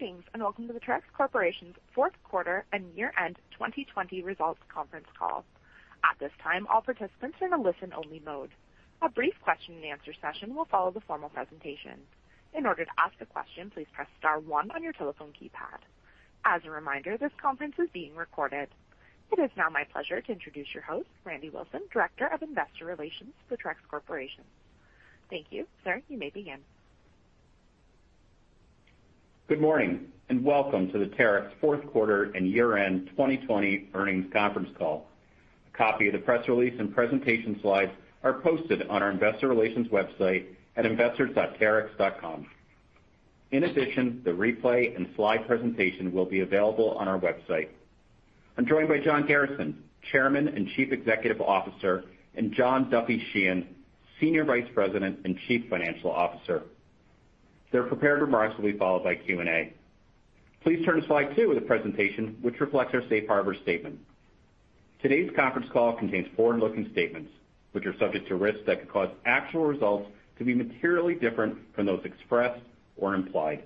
Greetings and welcome to Terex Corporation's fourth quarter and year-end 2020 results conference call. At this time, all participants are in a listen-only mode. A brief question-and-answer session will follow the formal presentation. In order to ask a question please press star one on your telephone keypad. As a reminder this conference is being recorded. It is now my pleasure to introduce your host, Randy Wilson, Director of Investor Relations for Terex Corporation. Thank you. Sir, you may begin. Good morning. Welcome to the Terex fourth quarter and year-end 2020 earnings conference call. A copy of the press release and presentation slides are posted on our investor relations website at investors.terex.com. In addition, the replay and slide presentation will be available on our website. I'm joined by John Garrison, Chairman and Chief Executive Officer, and John Duffy Sheehan, Senior Vice President and Chief Financial Officer. Their prepared remarks will be followed by Q&A. Please turn to slide two of the presentation, which reflects our safe harbor statement. Today's conference call contains forward-looking statements, which are subject to risks that could cause actual results to be materially different from those expressed or implied.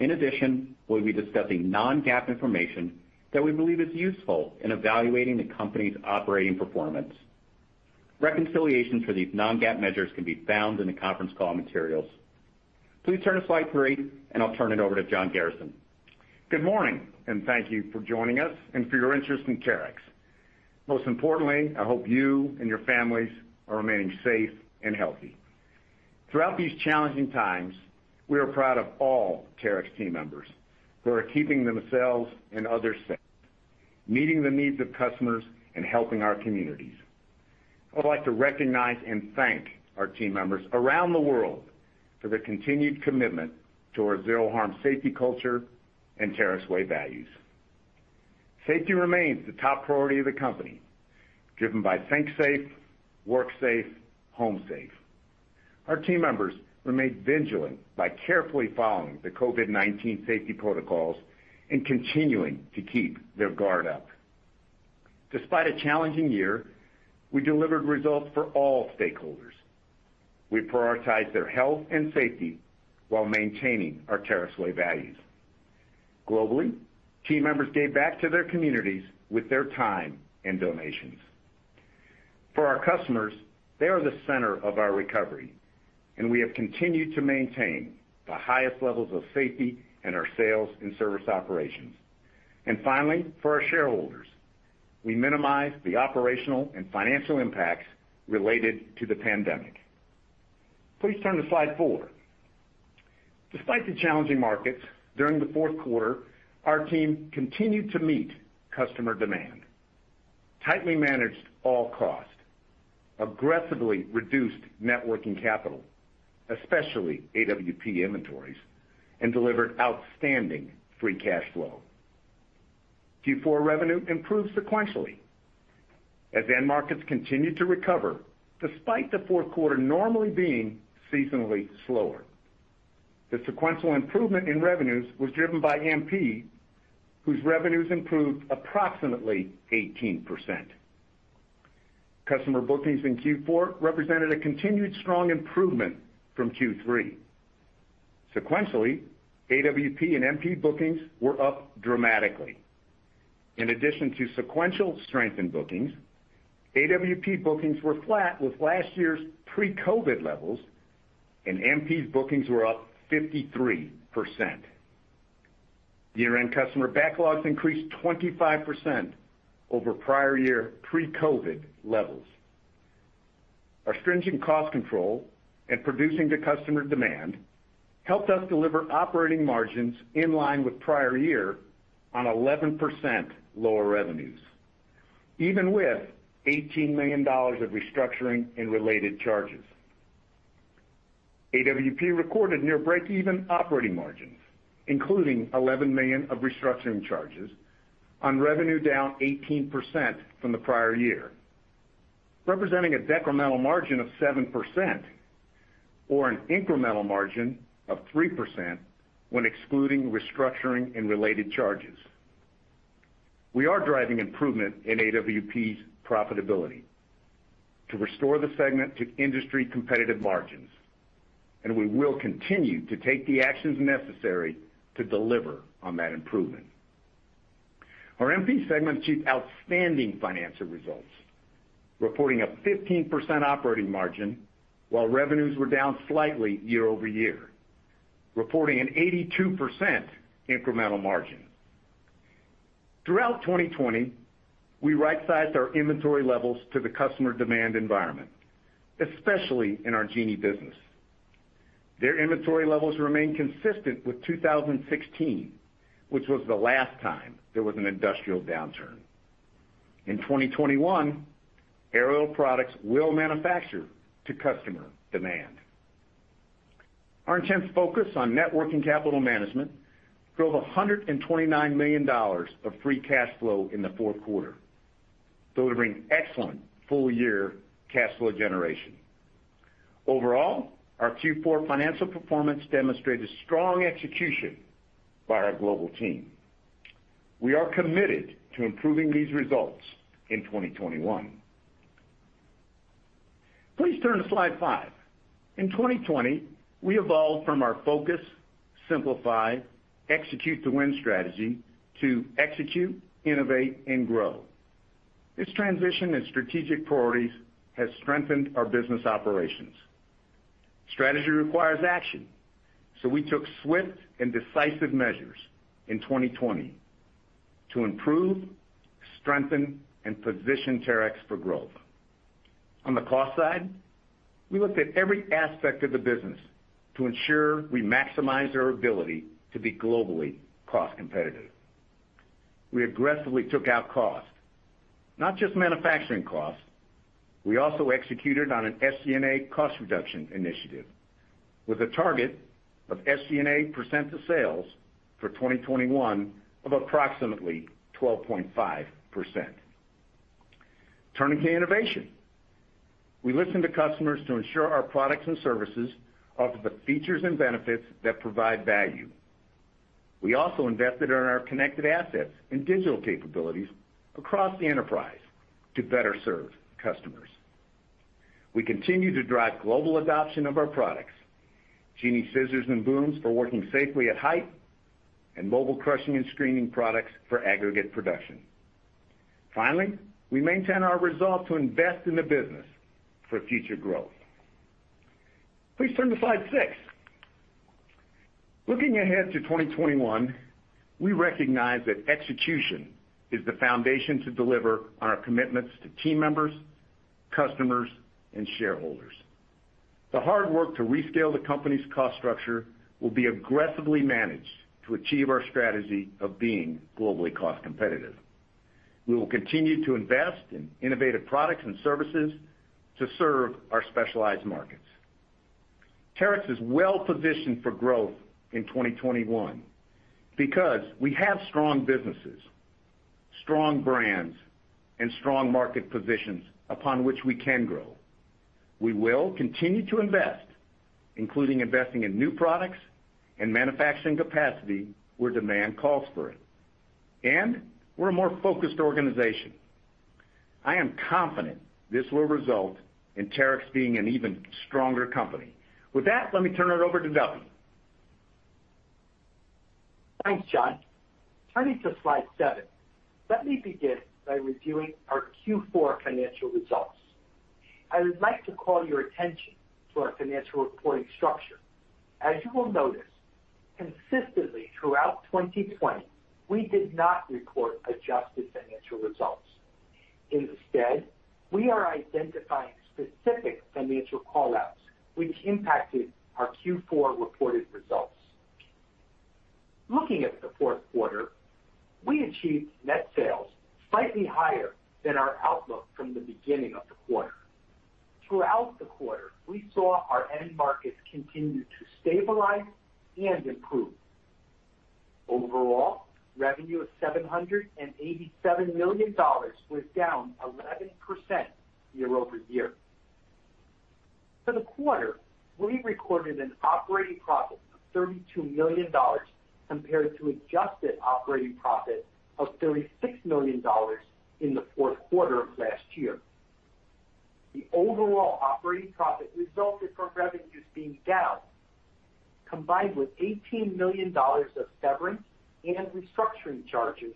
In addition, we'll be discussing non-GAAP information that we believe is useful in evaluating the company's operating performance. Reconciliation for these non-GAAP measures can be found in the conference call materials. Please turn to slide three, and I'll turn it over to John Garrison. Good morning. Thank you for joining us and for your interest in Terex. Most importantly, I hope you and your families are remaining safe and healthy. Throughout these challenging times, we are proud of all Terex team members who are keeping themselves and others safe, meeting the needs of customers, and helping our communities. I would like to recognize and thank our team members around the world for their continued commitment to our Zero Harm safety culture and Terex Way values. Safety remains the top priority of the company, driven by Think Safe, Work Safe, Home Safe. Our team members remain vigilant by carefully following the COVID-19 safety protocols and continuing to keep their guard up. Despite a challenging year, we delivered results for all stakeholders. We prioritized their health and safety while maintaining our Terex Way values. Globally, team members gave back to their communities with their time and donations. For our customers, they are the center of our recovery, and we have continued to maintain the highest levels of safety in our sales and service operations. Finally, for our shareholders, we minimized the operational and financial impacts related to the pandemic. Please turn to slide four. Despite the challenging markets during the fourth quarter, our team continued to meet customer demand, tightly managed all costs, aggressively reduced net working capital, especially AWP inventories, and delivered outstanding free cash flow. Q4 revenue improved sequentially as end markets continued to recover, despite the fourth quarter normally being seasonally slower. The sequential improvement in revenues was driven by MP, whose revenues improved approximately 18%. Customer bookings in Q4 represented a continued strong improvement from Q3. Sequentially, AWP and MP bookings were up dramatically. In addition to sequential strength in bookings, AWP bookings were flat with last year's pre-COVID levels, and MP's bookings were up 53%. Year-end customer backlogs increased 25% over prior year pre-COVID levels. Our stringent cost control and producing to customer demand helped us deliver operating margins in line with prior year on 11% lower revenues, even with $18 million of restructuring and related charges. AWP recorded near breakeven operating margins, including $11 million of restructuring charges on revenue down 18% from the prior year, representing a decremental margin of 7% or an incremental margin of 3% when excluding restructuring and related charges. We are driving improvement in AWP's profitability to restore the segment to industry-competitive margins, and we will continue to take the actions necessary to deliver on that improvement. Our MP segment achieved outstanding financial results, reporting a 15% operating margin while revenues were down slightly year-over-year, reporting an 82% incremental margin. Throughout 2020, we right-sized our inventory levels to the customer demand environment, especially in our Genie business. Their inventory levels remain consistent with 2016, which was the last time there was an industrial downturn. In 2021, Aerial products will manufacture to customer demand. Our intense focus on net working capital management drove $129 million of free cash flow in the fourth quarter, delivering excellent full-year cash flow generation. Overall, our Q4 financial performance demonstrated strong execution by our global team. We are committed to improving these results in 2021. Please turn to slide five. In 2020, we evolved from our Focus, Simplify, Execute to Win strategy to Execute, Innovate and Grow. This transition in strategic priorities has strengthened our business operations. Strategy requires action. We took swift and decisive measures in 2020 to improve, strengthen and position Terex for growth. On the cost side, we looked at every aspect of the business to ensure we maximize our ability to be globally cost competitive. We aggressively took out cost, not just manufacturing cost. We also executed on an SG&A cost reduction initiative with a target of SG&A percent to sales for 2021 of approximately 12.5%. Turning to innovation. We listened to customers to ensure our products and services offer the features and benefits that provide value. We also invested in our connected assets and digital capabilities across the enterprise to better serve customers. We continue to drive global adoption of our products, Genie scissors and booms for working safely at height, and mobile crushing and screening products for aggregate production. Finally, we maintain our resolve to invest in the business for future growth. Please turn to slide six. Looking ahead to 2021, we recognize that execution is the foundation to deliver on our commitments to team members, customers, and shareholders. The hard work to rescale the company's cost structure will be aggressively managed to achieve our strategy of being globally cost competitive. We will continue to invest in innovative products and services to serve our specialized markets. Terex is well-positioned for growth in 2021 because we have strong businesses, strong brands, and strong market positions upon which we can grow. We will continue to invest, including investing in new products and manufacturing capacity where demand calls for it. We're a more focused organization. I am confident this will result in Terex being an even stronger company. With that, let me turn it over to Duffy. Thanks, John. Turning to slide seven. Let me begin by reviewing our Q4 financial results. I would like to call your attention to our financial reporting structure. As you will notice, consistently throughout 2020, we did not report adjusted financial results. Instead, we are identifying specific financial call-outs which impacted our Q4 reported results. Looking at the fourth quarter, we achieved net sales slightly higher than our outlook from the beginning of the quarter. Throughout the quarter, we saw our end markets continue to stabilize and improve. Overall, revenue of $787 million was down 11% year-over-year. For the quarter, we recorded an operating profit of $32 million compared to adjusted operating profit of $36 million in the fourth quarter of last year. The overall operating profit resulted from revenues being down, combined with $18 million of severance and restructuring charges,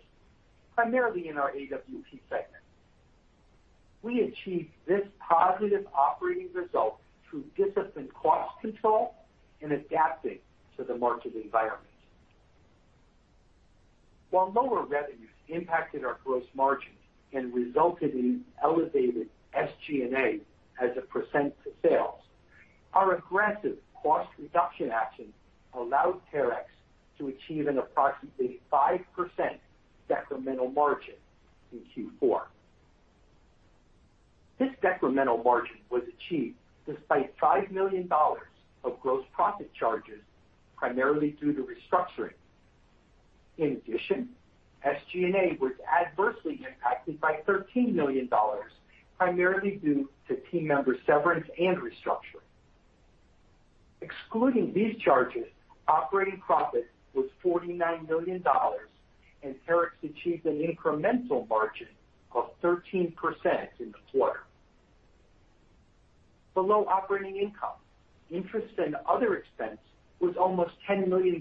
primarily in our AWP segment. We achieved this positive operating result through disciplined cost control and adapting to the market environment. While lower revenues impacted our gross margins and resulted in elevated SG&A as a percent to sales, our aggressive cost reduction actions allowed Terex to achieve an approximately 5% decremental margin in Q4. This decremental margin was achieved despite $5 million of gross profit charges, primarily due to restructuring. In addition, SG&A was adversely impacted by $13 million, primarily due to team member severance and restructuring. Excluding these charges, operating profit was $49 million, and Terex achieved an incremental margin of 13% in the quarter. Below operating income, interest and other expense was almost $10 million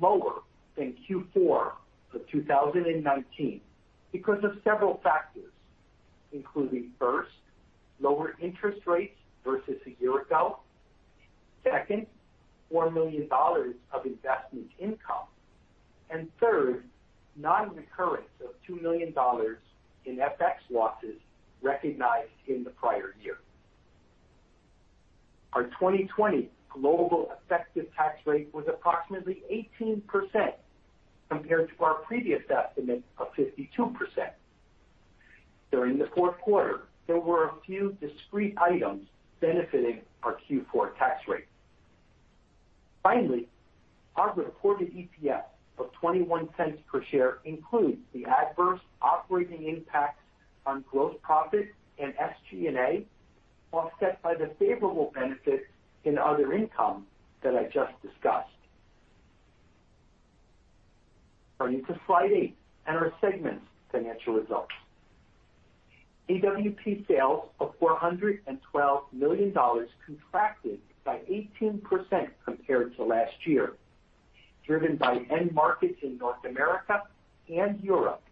lower than Q4 of 2019 because of several factors, including, first, lower interest rates versus a year ago, second, $4 million of investment income, and third, non-recurrence of $2 million in FX losses recognized in the prior year. Our 2020 global effective tax rate was approximately 18% compared to our previous estimate of 52%. During the fourth quarter, there were a few discrete items benefiting our Q4 tax rate. Finally, our reported EPS of $0.21 per share includes the adverse operating impacts on gross profit and SG&A, offset by the favorable benefit in other income that I just discussed. Turning to slide eight and our segments financial results. AWP sales of $412 million contracted by 18% compared to last year, driven by end markets in North America and Europe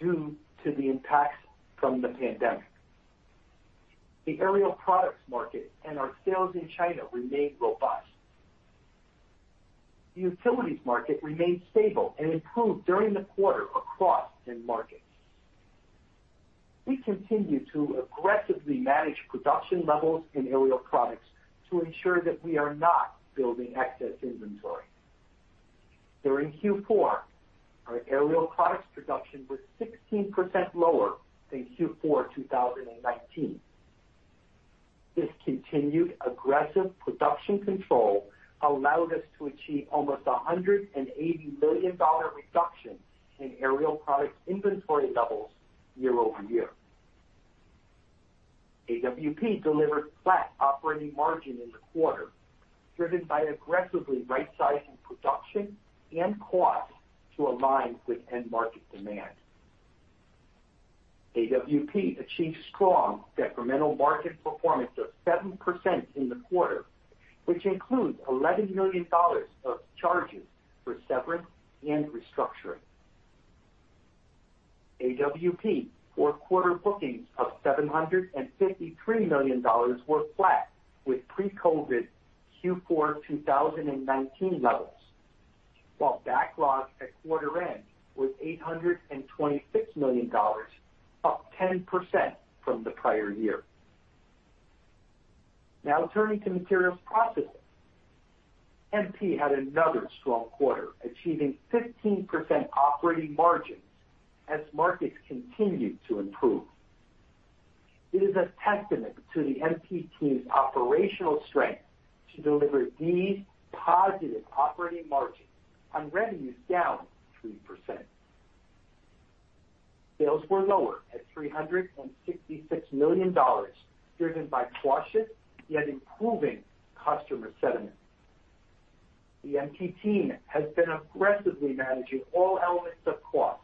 due to the impacts from the pandemic. The aerial products market and our sales in China remained robust. The utilities market remained stable and improved during the quarter across end markets. We continue to aggressively manage production levels in aerial products to ensure that we are not building excess inventory. During Q4, our aerial products production was 16% lower than Q4 2019. This continued aggressive production control allowed us to achieve almost $180 million reduction in aerial product inventory levels year-over-year. AWP delivered flat operating margin in the quarter, driven by aggressively rightsizing production and costs to align with end market demand. AWP achieved strong decremental margin performance of 7% in the quarter, which includes $11 million of charges for severance and restructuring. AWP fourth quarter bookings of $753 million were flat with pre-COVID-19 Q4 2019 levels, while backlog at quarter end was $826 million, up 10% from the prior year. Turning to Materials Processing. MP had another strong quarter, achieving 15% operating margins as markets continued to improve. It is a testament to the MP team's operational strength to deliver these positive operating margins on revenues down 3%. Sales were lower at $366 million, driven by cautious yet improving customer sentiment. The MP team has been aggressively managing all elements of cost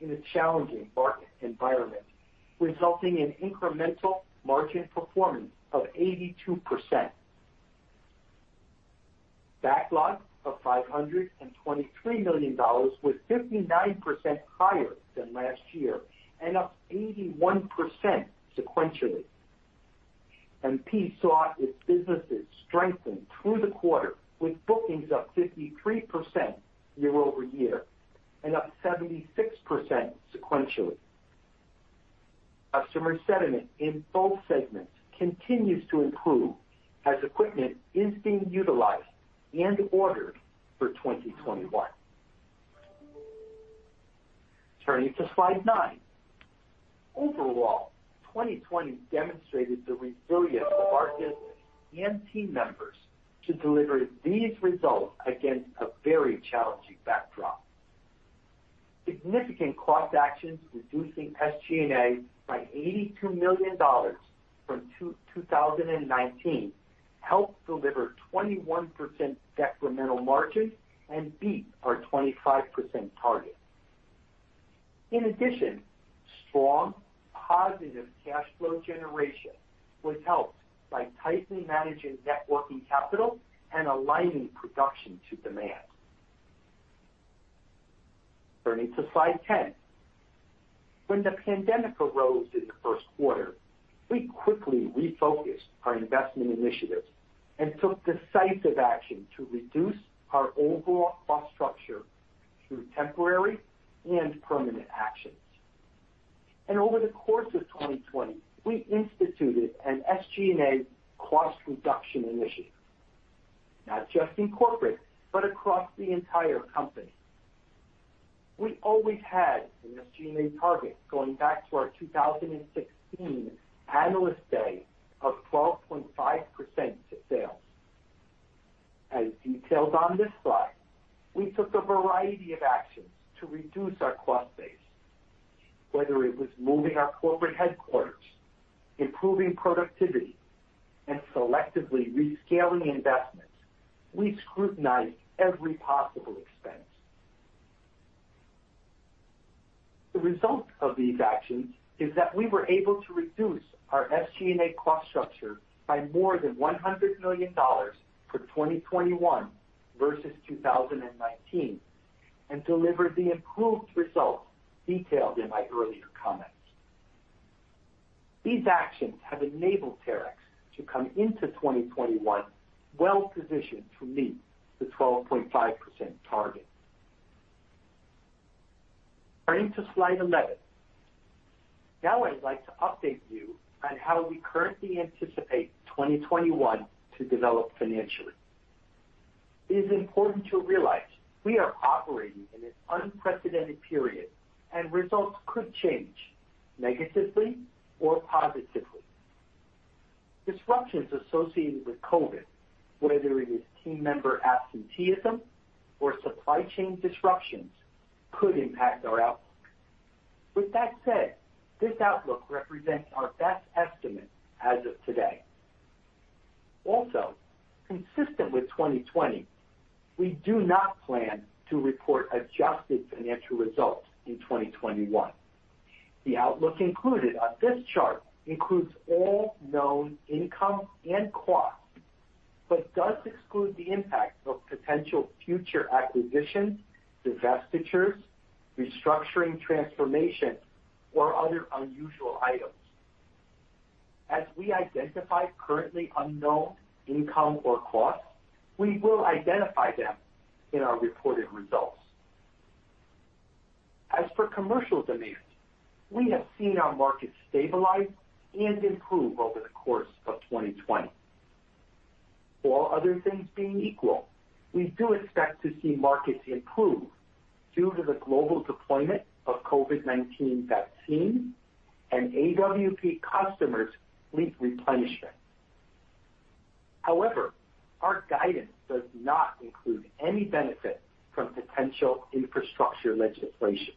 in a challenging market environment, resulting in incremental margin performance of 82%. Backlog of $523 million was 59% higher than last year and up 81% sequentially. MP saw its businesses strengthen through the quarter, with bookings up 53% year-over-year and up 76% sequentially. Customer sentiment in both segments continues to improve as equipment is being utilized and ordered for 2021. Turning to slide nine. Overall, 2020 demonstrated the resilience of our business and team members to deliver these results against a very challenging backdrop. Significant cost actions, reducing SG&A by $82 million from 2019, helped deliver 21% incremental margins and beat our 25% target. In addition, strong positive cash flow generation was helped by tightly managing net working capital and aligning production to demand. Turning to slide 10. When the pandemic arose in the first quarter, we quickly refocused our investment initiatives and took decisive action to reduce our overall cost structure through temporary and permanent actions. Over the course of 2020, we instituted an SG&A cost reduction initiative, not just in corporate, but across the entire company. We always had an SG&A target going back to our 2016 Analyst Day of 12.5% to sales. As detailed on this slide, we took a variety of actions to reduce our cost base. Whether it was moving our corporate headquarters, improving productivity, and selectively rescaling investments, we scrutinized every possible expense. The result of these actions is that we were able to reduce our SG&A cost structure by more than $100 million for 2021 versus 2019 and deliver the improved results detailed in my earlier comments. These actions have enabled Terex to come into 2021 well-positioned to meet the 12.5% target. Turning to slide 11. Now, I'd like to update you on how we currently anticipate 2021 to develop financially. It is important to realize we are operating in an unprecedented period, and results could change negatively or positively. Disruptions associated with COVID, whether it is team member absenteeism or supply chain disruptions, could impact our outlook. With that said, this outlook represents our best estimate as of today. Also, consistent with 2020, we do not plan to report adjusted financial results in 2021. The outlook included on this chart includes all known income and costs, but does exclude the impact of potential future acquisitions, divestitures, restructuring transformations, or other unusual items. As we identify currently unknown income or costs, we will identify them in our reported results. As for commercial demand, we have seen our markets stabilize and improve over the course of 2020. All other things being equal, we do expect to see markets improve due to the global deployment of COVID-19 vaccine and AWP customers' fleet replenishment. However, our guidance does not include any benefit from potential infrastructure legislation.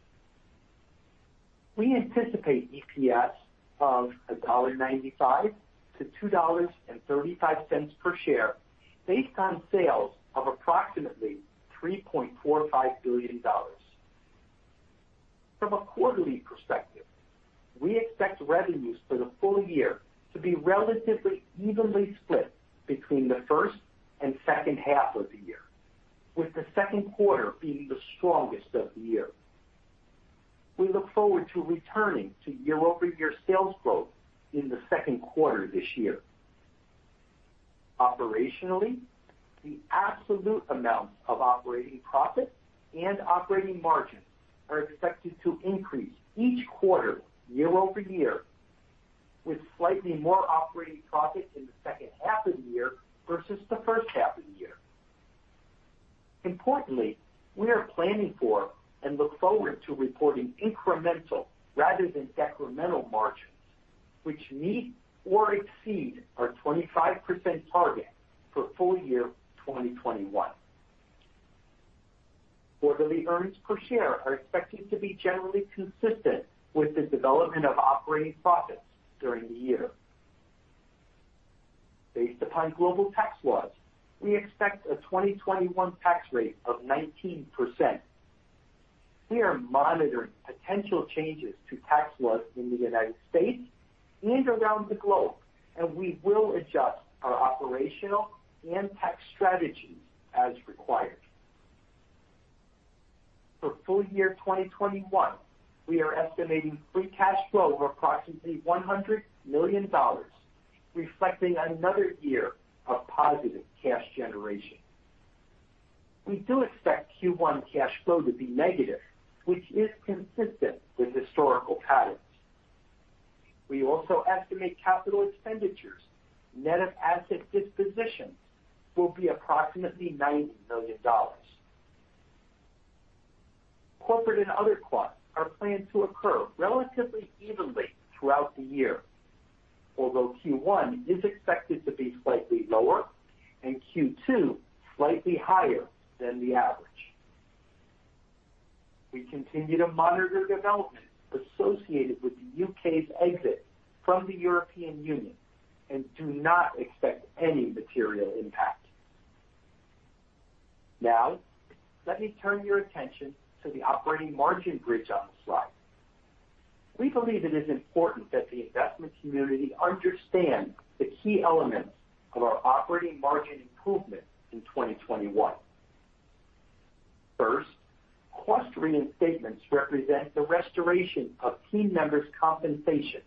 We anticipate EPS of $1.95-$2.35 per share based on sales of approximately $3.45 billion. From a quarterly perspective, we expect revenues for the full year to be relatively evenly split between the first and second half of the year, with the second quarter being the strongest of the year. We look forward to returning to year-over-year sales growth in the second quarter this year. Operationally, the absolute amounts of operating profit and operating margin are expected to increase each quarter year-over-year, with slightly more operating profit in the second half of the year versus the first half of the year. Importantly, we are planning for and look forward to reporting incremental rather than decremental margins, which meet or exceed our 25% target for full year 2021. Quarterly earnings per share are expected to be generally consistent with the development of operating profits during the year. Based upon global tax laws, we expect a 2021 tax rate of 19%. We are monitoring potential changes to tax laws in the United States and around the globe, and we will adjust our operational and tax strategies as required. For full year 2021, we are estimating free cash flow of approximately $100 million, reflecting another year of positive cash generation. We do expect Q1 cash flow to be negative, which is consistent with historical patterns. We also estimate capital expenditures, net of asset dispositions, will be approximately $90 million. Corporate and other costs are planned to occur relatively evenly throughout the year. Q1 is expected to be slightly lower and Q2 slightly higher than the average. We continue to monitor developments associated with the U.K.'s exit from the European Union and do not expect any material impact. Let me turn your attention to the operating margin bridge on the slide. We believe it is important that the investment community understand the key elements of our operating margin improvement in 2021. Cost restorations represent the restoration of team members' compensation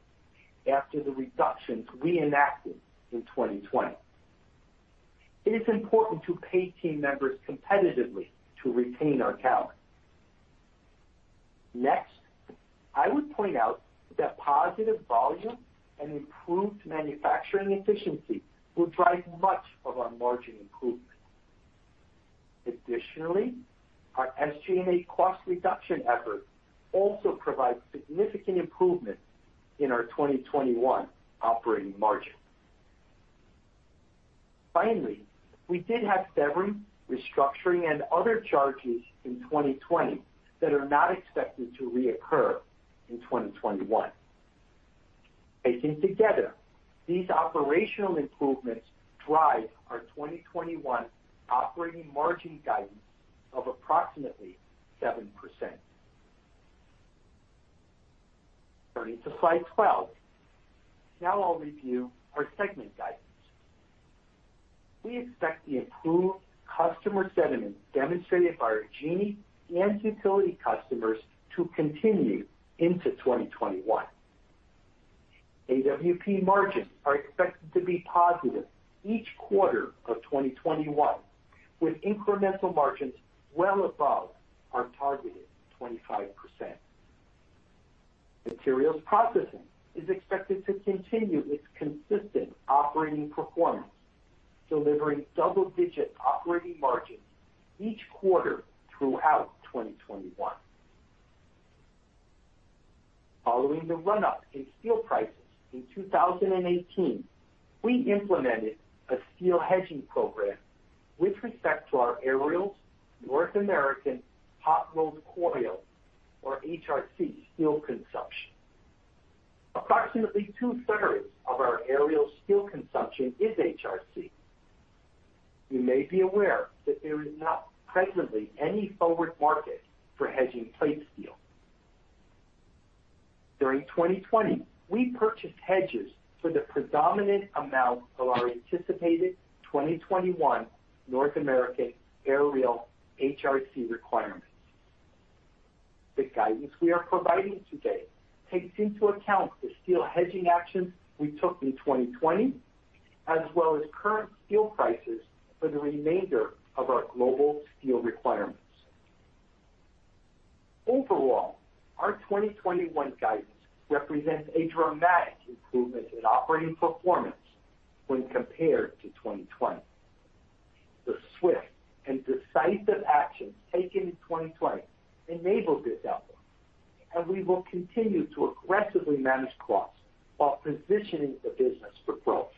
after the reductions we enacted in 2020. It is important to pay team members competitively to retain our talent. Next, I would point out that positive volume and improved manufacturing efficiency will drive much of our margin improvement. Additionally, our SG&A cost reduction efforts also provide significant improvement in our 2021 operating margin. Finally, we did have severance, restructuring, and other charges in 2020 that are not expected to reoccur in 2021. Taken together, these operational improvements drive our 2021 operating margin guidance of approximately 7%. Turning to slide 12. Now I'll review our segment guidance. We expect the improved customer sentiment demonstrated by our Genie and Utilities customers to continue into 2021. AWP margins are expected to be positive each quarter of 2021, with incremental margins well above our targeted 25%. Materials Processing is expected to continue its consistent operating performance, delivering double-digit operating margins each quarter throughout 2021. Following the run-up in steel prices in 2018, we implemented a steel hedging program with respect to our Aerial's North American hot-rolled coil, or HRC, steel consumption. Approximately 2/3 of our aerial steel consumption is HRC. You may be aware that there is not presently any forward market for hedging plate steel. During 2020, we purchased hedges for the predominant amount of our anticipated 2021 North American aerial HRC requirements. The guidance we are providing today takes into account the steel hedging actions we took in 2020, as well as current steel prices for the remainder of our global steel requirements. Overall, our 2021 guidance represents a dramatic improvement in operating performance when compared to 2020. The swift and decisive actions taken in 2020 enabled this outlook, and we will continue to aggressively manage costs while positioning the business for growth.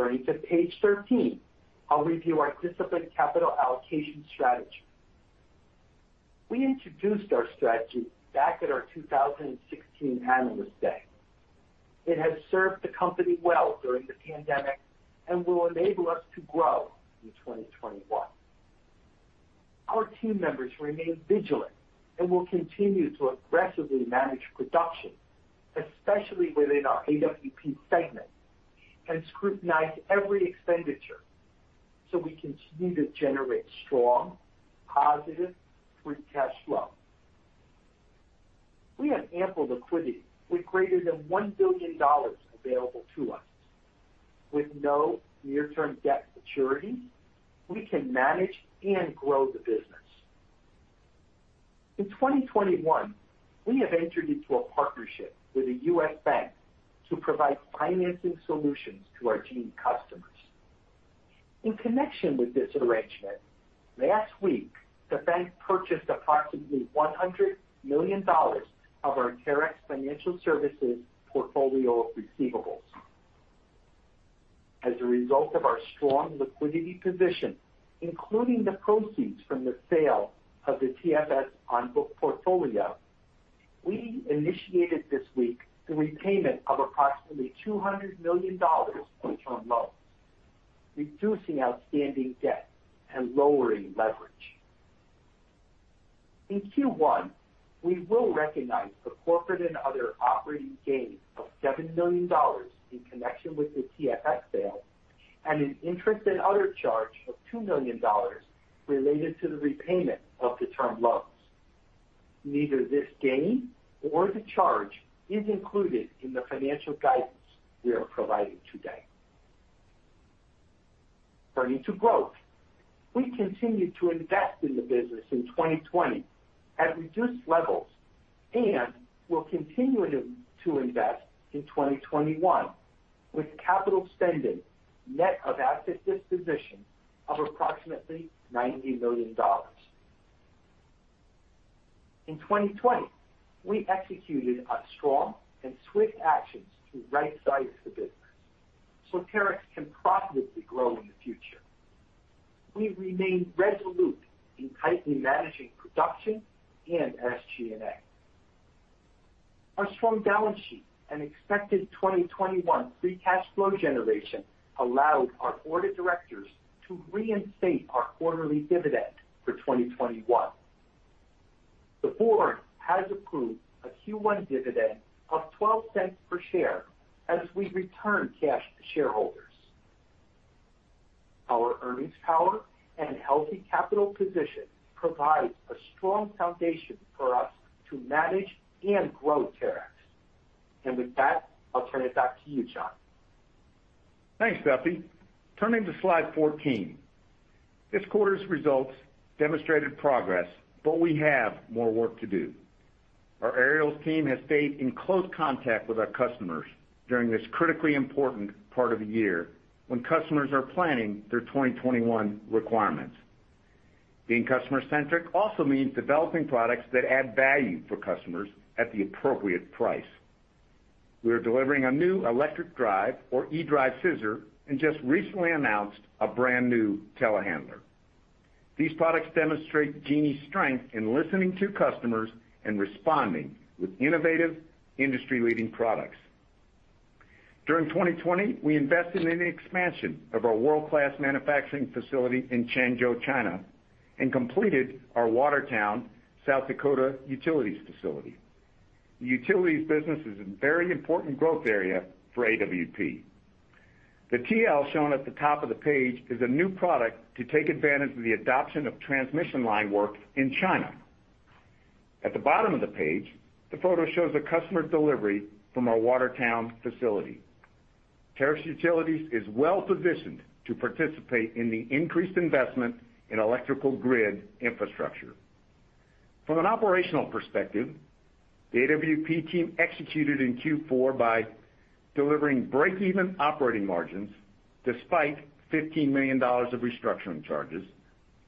Turning to page 13, I'll review our disciplined capital allocation strategy. We introduced our strategy back at our 2016 Analyst Day. It has served the company well during the pandemic and will enable us to grow in 2021. Our team members remain vigilant and will continue to aggressively manage production, especially within our AWP segment, and scrutinize every expenditure so we continue to generate strong, positive free cash flow. We have ample liquidity with greater than $1 billion available to us. With no near-term debt maturity, we can manage and grow the business. In 2021, we have entered into a partnership with a U.S. bank to provide financing solutions to our Genie customers. In connection with this arrangement, last week, the bank purchased approximately $100 million of our Terex Financial Services portfolio of receivables. As a result of our strong liquidity position, including the proceeds from the sale of the TFS on-book portfolio, we initiated this week the repayment of approximately $200 million of term loans, reducing outstanding debt and lowering leverage. In Q1, we will recognize the corporate and other operating gain of $7 million in connection with the TFS sale and an interest and other charge of $2 million related to the repayment of the term loans. Neither this gain or the charge is included in the financial guidance we are providing today. Turning to growth. We continued to invest in the business in 2020 at reduced levels and will continue to invest in 2021 with capital spending net of asset disposition of approximately $90 million. In 2020, we executed a strong and swift actions to right-size the business so Terex can profitably grow in the future. We remain resolute in tightly managing production and SG&A. Our strong balance sheet and expected 2021 free cash flow generation allowed our board of directors to reinstate our quarterly dividend for 2021. The board has approved a Q1 dividend of $0.12 per share as we return cash to shareholders. Our earnings power and healthy capital position provides a strong foundation for us to manage and grow Terex. With that, I'll turn it back to you, John. Thanks, Duffy. Turning to slide 14. This quarter's results demonstrated progress. We have more work to do. Our aerials team has stayed in close contact with our customers during this critically important part of the year when customers are planning their 2021 requirements. Being customer-centric also means developing products that add value for customers at the appropriate price. We are delivering a new electric drive or E-Drive scissor and just recently announced a brand-new telehandler. These products demonstrate Genie's strength in listening to customers and responding with innovative industry-leading products. During 2020, we invested in the expansion of our world-class manufacturing facility in Changzhou, China, and completed our Watertown, South Dakota utilities facility. The utilities business is a very important growth area for AWP. The TL shown at the top of the page is a new product to take advantage of the adoption of transmission line work in China. At the bottom of the page, the photo shows a customer delivery from our Watertown facility. Terex Utilities is well-positioned to participate in the increased investment in electrical grid infrastructure. From an operational perspective, the AWP team executed in Q4 by delivering break-even operating margins despite $15 million of restructuring charges,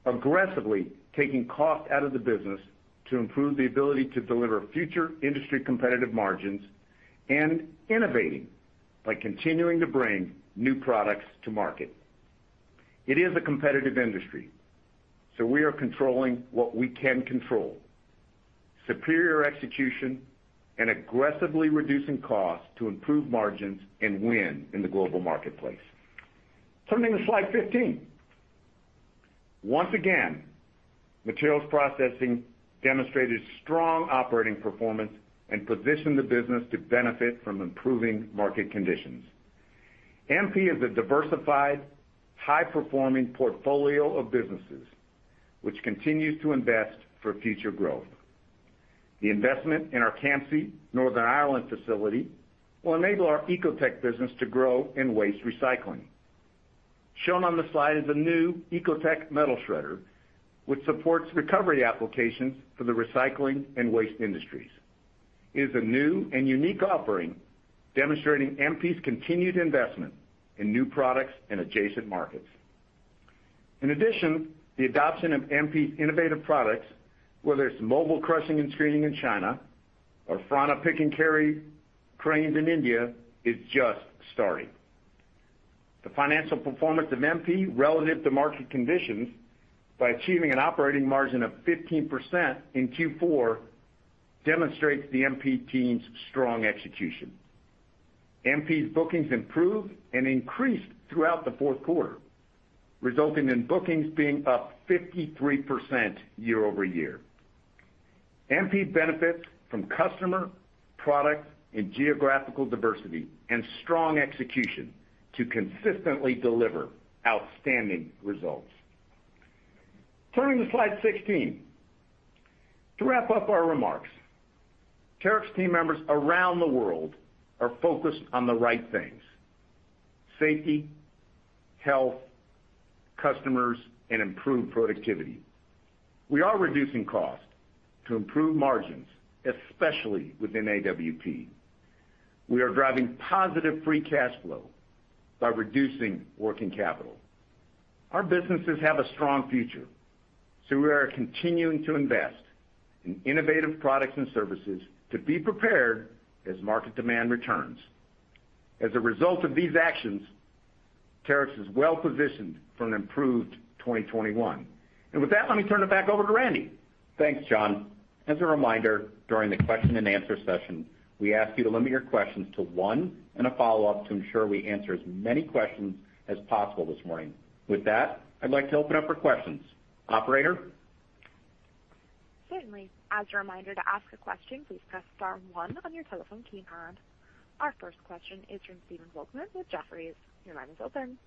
aggressively taking cost out of the business to improve the ability to deliver future industry-competitive margins and innovating by continuing to bring new products to market. It is a competitive industry. We are controlling what we can control. Superior execution and aggressively reducing costs to improve margins and win in the global marketplace. Turning to slide 15. Once again, Materials Processing demonstrated strong operating performance and positioned the business to benefit from improving market conditions. MP is a diversified, high-performing portfolio of businesses which continues to invest for future growth. The investment in our Campsie, Northern Ireland facility will enable our Ecotec business to grow in waste recycling. Shown on the slide is a new Ecotec metal shredder, which supports recovery applications for the recycling and waste industries. It is a new and unique offering demonstrating MP's continued investment in new products and adjacent markets. In addition, the adoption of MP innovative products, whether it's mobile crushing and screening in China or Franna Pick and Carry Cranes in India, is just starting. The financial performance of MP relative to market conditions by achieving an operating margin of 15% in Q4 demonstrates the MP team's strong execution. MP's bookings improved and increased throughout the fourth quarter, resulting in bookings being up 53% year-over-year. MP benefits from customer, product, and geographical diversity, and strong execution to consistently deliver outstanding results. Turning to slide 16. To wrap up our remarks, Terex team members around the world are focused on the right things: safety, health, customers, and improved productivity. We are reducing cost to improve margins, especially within AWP. We are driving positive free cash flow by reducing working capital. We are continuing to invest in innovative products and services to be prepared as market demand returns. As a result of these actions, Terex is well-positioned for an improved 2021. With that, let me turn it back over to Randy. Thanks, John. As a reminder, during the question and answer session, we ask you to limit your questions to one and a follow-up to ensure we answer as many questions as possible this morning. With that, I'd like to open up for questions. Operator? Certainly. As a reminder, to ask a question, please press star one on your telephone keypad. Our first question is from Stephen Volkmann with Jefferies. Your line is open.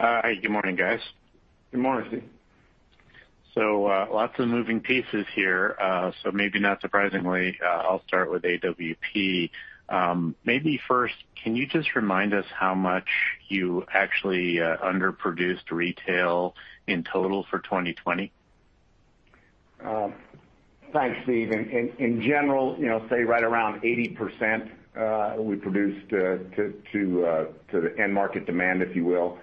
Hi. Good morning, guys. Good morning, Steve. Lots of moving pieces here. Maybe not surprisingly, I'll start with AWP. Maybe first, can you just remind us how much you actually underproduced retail in total for 2020? Thanks, Steve. In general, say right around 80% we produced to the end market demand, if you will.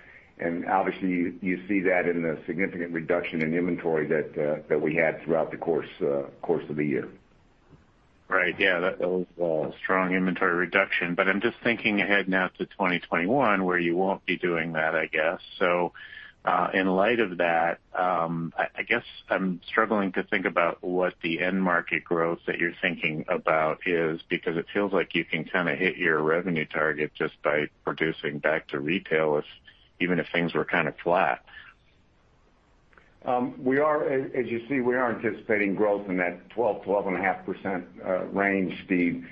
Obviously you see that in the significant reduction in inventory that we had throughout the course of the year. Right. Yeah. That was a strong inventory reduction. I'm just thinking ahead now to 2021 where you won't be doing that, I guess. In light of that, I guess I'm struggling to think about what the end market growth that you're thinking about is, because it feels like you can kind of hit your revenue target just by producing back to retailers, even if things were kind of flat. As you see, we are anticipating growth in that 12%-12.5% range, Steve.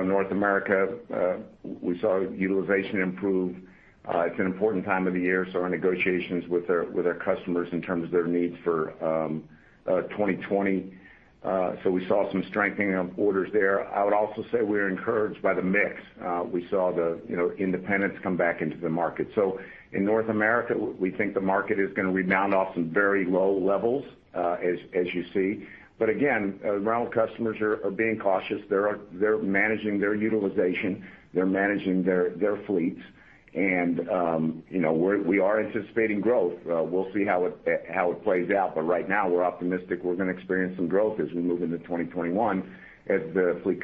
North America, we saw utilization improve. It's an important time of the year, so our negotiations with our customers in terms of their needs for 2020. We saw some strengthening of orders there. I would also say we're encouraged by the mix. We saw the independents come back into the market. In North America, we think the market is going to rebound off some very low levels as you see. Again, rental customers are being cautious. They're managing their utilization. They're managing their fleets. We are anticipating growth. We'll see how it plays out. Right now, we're optimistic we're going to experience some growth as we move into 2021 as the fleet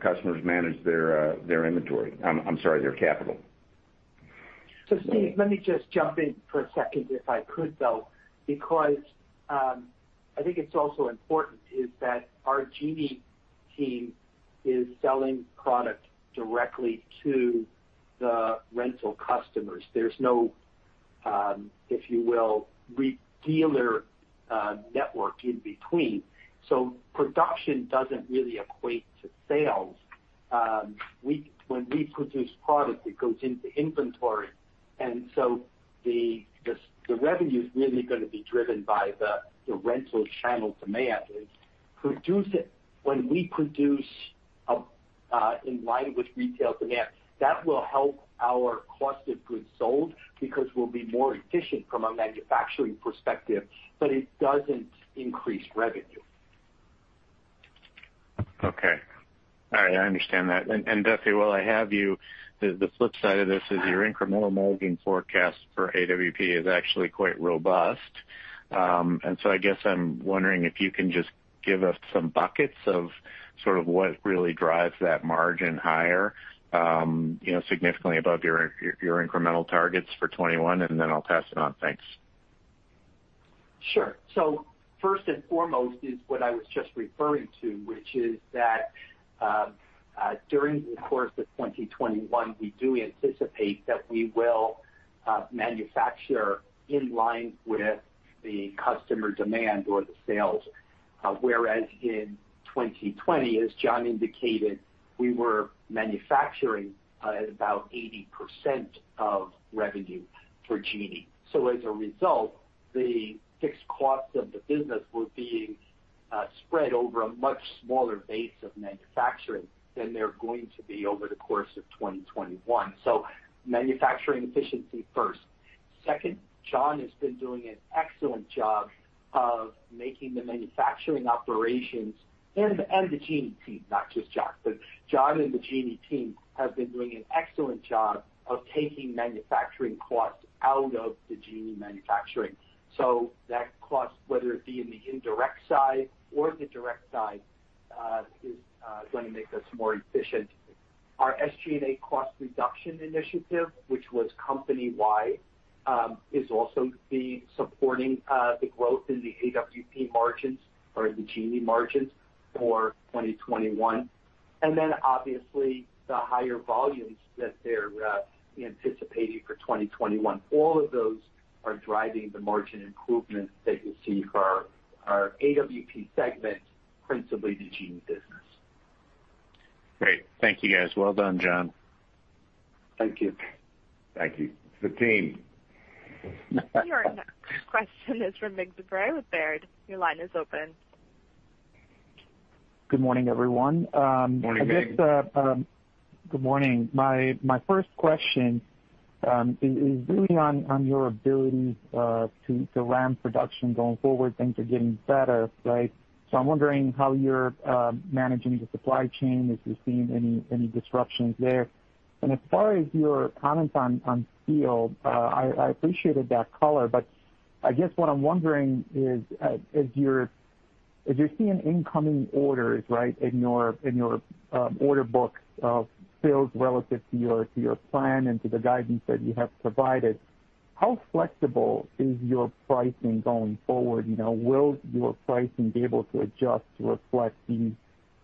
customers manage their inventory. I'm sorry, their capital. Steve, let me just jump in for a second if I could, though, because I think it's also important is that our Genie team is selling product directly to the rental customers. Ther e's no, if you will, re-dealer network in between. Production doesn't really equate to sales. When we produce product, it goes into inventory. The revenue is really going to be driven by the rental channel demand. When we produce in line with retail demand, that will help our cost of goods sold because we'll be more efficient from a manufacturing perspective, but it doesn't increase revenue. Okay. All right, I understand that. Duffy, while I have you, the flip side of this is your incremental margin forecast for AWP is actually quite robust. So I guess I'm wondering if you can just give us some buckets of sort of what really drives that margin higher significantly above your incremental targets for 2021, then I'll pass it on. Thanks. Sure. First and foremost is what I was just referring to, which is that during the course of 2021, we do anticipate that we will manufacture in line with the customer demand or the sales. Whereas in 2020, as John indicated, we were manufacturing at about 80% of revenue for Genie. As a result, the fixed costs of the business were being spread over a much smaller base of manufacturing than they're going to be over the course of 2021. Manufacturing efficiency first. Second, John has been doing an excellent job of making the manufacturing operations, and the Genie team, not just John. John and the Genie team have been doing an excellent job of taking manufacturing costs out of the Genie manufacturing. That cost, whether it be in the indirect side or the direct side is going to make us more efficient. Our SG&A cost reduction initiative, which was company-wide is also supporting the growth in the AWP margins or in the Genie margins for 2021 and then obviously the higher volumes that they're anticipating for 2021. All of those are driving the margin improvements that you see for our AWP segment, principally the Genie business. Great. Thank you guys. Well done, John. Thank you. Thank you. It's the team. Your next question is from Mig Dobre with Baird. Your line is open. Good morning, everyone. Morning, Mig. Good morning. My first question is really on your ability to ramp production going forward. Things are getting better, right? I'm wondering how you're managing the supply chain, if you're seeing any disruptions there. As far as your comments on steel I appreciated that color, but I guess what I'm wondering is as you're seeing incoming orders, right, in your order book of sales relative to your plan and to the guidance that you have provided, how flexible is your pricing going forward? Will your pricing be able to adjust to reflect these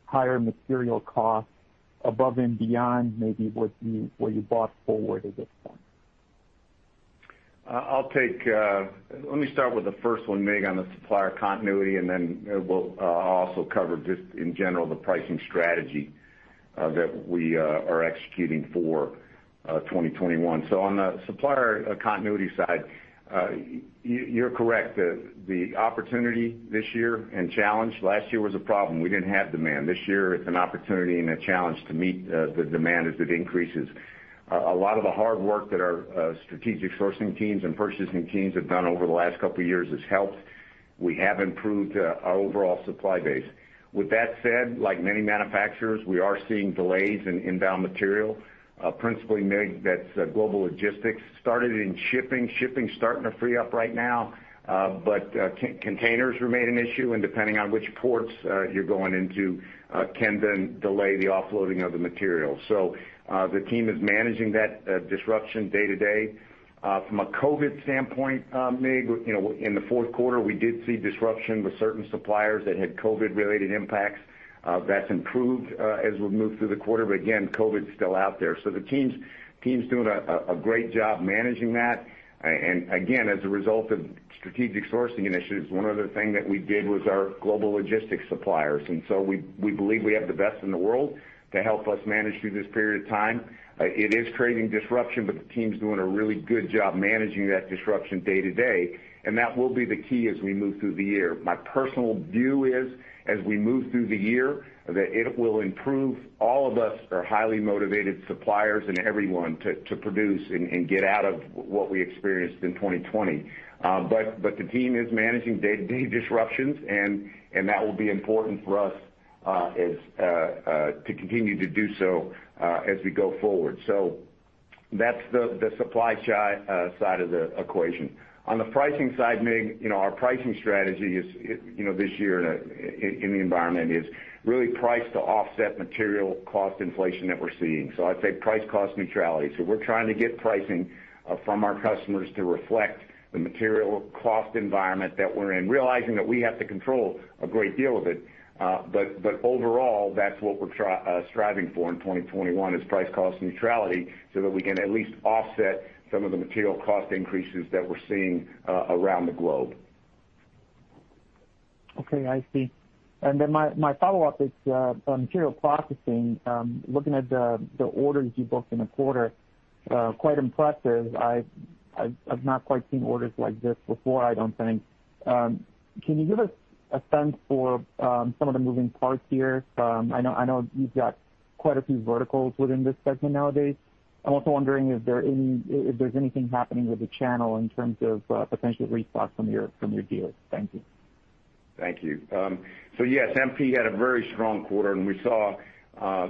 higher material costs above and beyond maybe what you bought forward at this point? Let me start with the first one, Mig, on the supplier continuity, and then we'll also cover just in general the pricing strategy that we are executing for 2021. On the supplier continuity side you're correct. The opportunity this year and challenge, last year was a problem. We didn't have demand. This year it's an opportunity and a challenge to meet the demand as it increases. A lot of the hard work that our strategic sourcing teams and purchasing teams have done over the last couple of years has helped. We have improved our overall supply base. With that said, like many manufacturers, we are seeing delays in inbound material principally, Mig, that's global logistics. Started in shipping. Shipping's starting to free up right now. Containers remain an issue, and depending on which ports you're going into can then delay the offloading of the material. The team is managing that disruption day to day. From a COVID-19 standpoint, Mig, in the fourth quarter, we did see disruption with certain suppliers that had COVID-19-related impacts. That's improved as we've moved through the quarter, but again, COVID-19's still out there. The team's doing a great job managing that. Again, as a result of strategic sourcing initiatives, one other thing that we did was our global logistics suppliers. We believe we have the best in the world to help us manage through this period of time. It is creating disruption, but the team's doing a really good job managing that disruption day to day, and that will be the key as we move through the year. My personal view is, as we move through the year, that it will improve. All of us are highly motivated suppliers and everyone to produce and get out of what we experienced in 2020. The team is managing day-to-day disruptions and that will be important for us to continue to do so as we go forward. That's the supply side of the equation. On the pricing side, Mig, our pricing strategy this year in the environment is really priced to offset material cost inflation that we're seeing. I'd say price-cost neutrality. We're trying to get pricing from our customers to reflect the material cost environment that we're in, realizing that we have to control a great deal of it. Overall, that's what we're striving for in 2021 is price-cost neutrality so that we can at least offset some of the material cost increases that we're seeing around the globe. Okay. I see. My follow-up is on Materials Processing. Looking at the orders you booked in the quarter, quite impressive. I've not quite seen orders like this before, I don't think. Can you give us a sense for some of the moving parts here? I know you've got quite a few verticals within this segment nowadays. I'm also wondering if there's anything happening with the channel in terms of potential response from your deals. Thank you. Thank you. Yes, MP had a very strong quarter, and we saw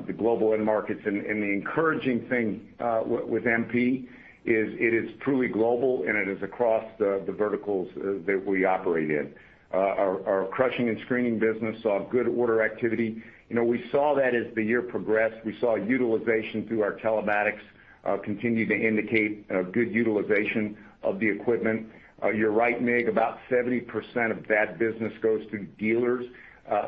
the global end markets. The encouraging thing with MP is it is truly global, and it is across the verticals that we operate in. Our crushing and screening business saw good order activity. We saw that as the year progressed. We saw utilization through our telematics continue to indicate good utilization of the equipment. You're right, Mig, about 70% of that business goes through dealers.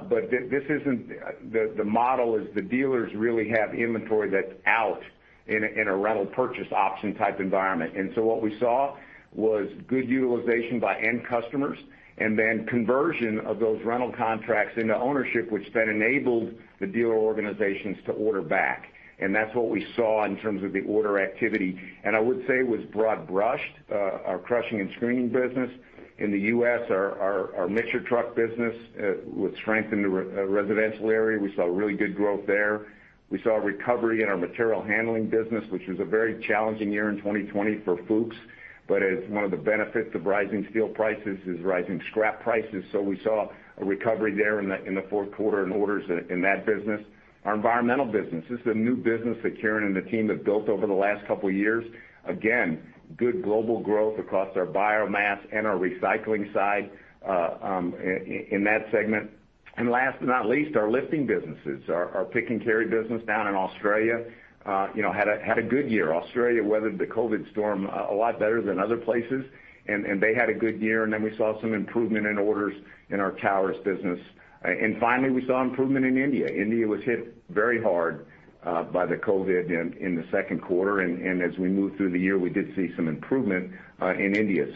The model is the dealers really have inventory that's out in a rental purchase option type environment. What we saw was good utilization by end customers and then conversion of those rental contracts into ownership, which then enabled the dealer organizations to order back. That's what we saw in terms of the order activity. I would say it was broad-brushed. Our crushing and screening business in the U.S., our mixer truck business was strength in the residential area. We saw really good growth there. We saw a recovery in our material handling business, which was a very challenging year in 2020 for Fuchs. As one of the benefits of rising steel prices is rising scrap prices, so we saw a recovery there in the fourth quarter in orders in that business. Our environmental business. This is a new business that Kieran and the team have built over the last couple of years. Again, good global growth across our biomass and our recycling side in that segment. Last but not least, our lifting businesses. Our Pick and Carry business down in Australia had a good year. Australia weathered the COVID storm a lot better than other places, and they had a good year. We saw some improvement in orders in our towers business. We saw improvement in India. India was hit very hard by the COVID-19 in the second quarter. As we moved through the year, we did see some improvement in India.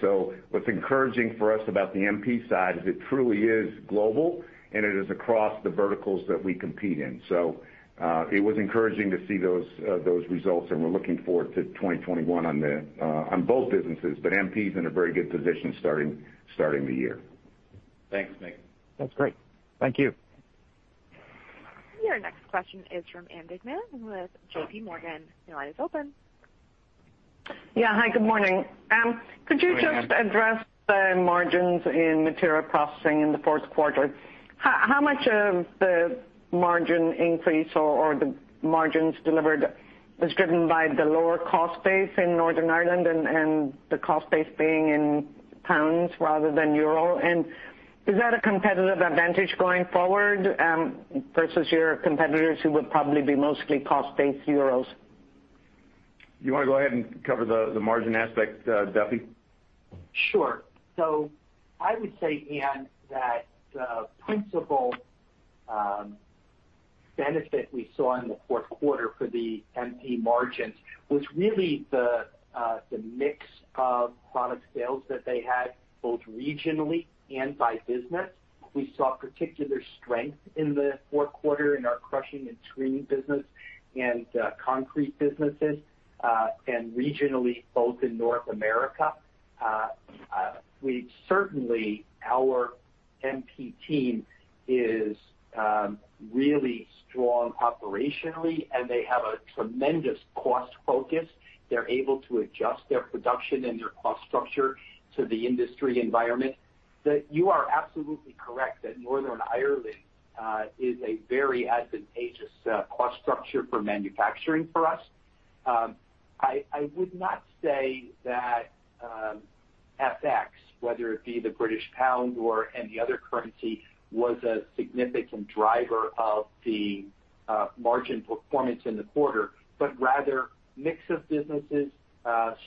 What's encouraging for us about the MP side is it truly is global, and it is across the verticals that we compete in. It was encouraging to see those results, and we're looking forward to 2021 on both businesses. MP is in a very good position starting the year. Thanks, Mig. That's great. Thank you. Your next question is from Ann Duignan with JPMorgan. Your line is open. Yeah. Hi, good morning. Could you just address the margins in Materials Processing in the fourth quarter? How much of the margin increase or the margins delivered was driven by the lower cost base in Northern Ireland and the cost base being in pounds rather than euro? Is that a competitive advantage going forward versus your competitors who would probably be mostly cost base euros? You want to go ahead and cover the margin aspect, Duffy? Sure. I would say, Ann, that the principal benefit we saw in the fourth quarter for the MP margins was really the mix of product sales that they had, both regionally and by business. We saw particular strength in the fourth quarter in our crushing and screening business and concrete businesses, and regionally, both in North America. Certainly, our MP team is really strong operationally, and they have a tremendous cost focus. They're able to adjust their production and their cost structure to the industry environment. You are absolutely correct that Northern Ireland is a very advantageous cost structure for manufacturing for us. I would not say that FX, whether it be the British pound or any other currency, was a significant driver of the margin performance in the quarter, but rather mix of businesses,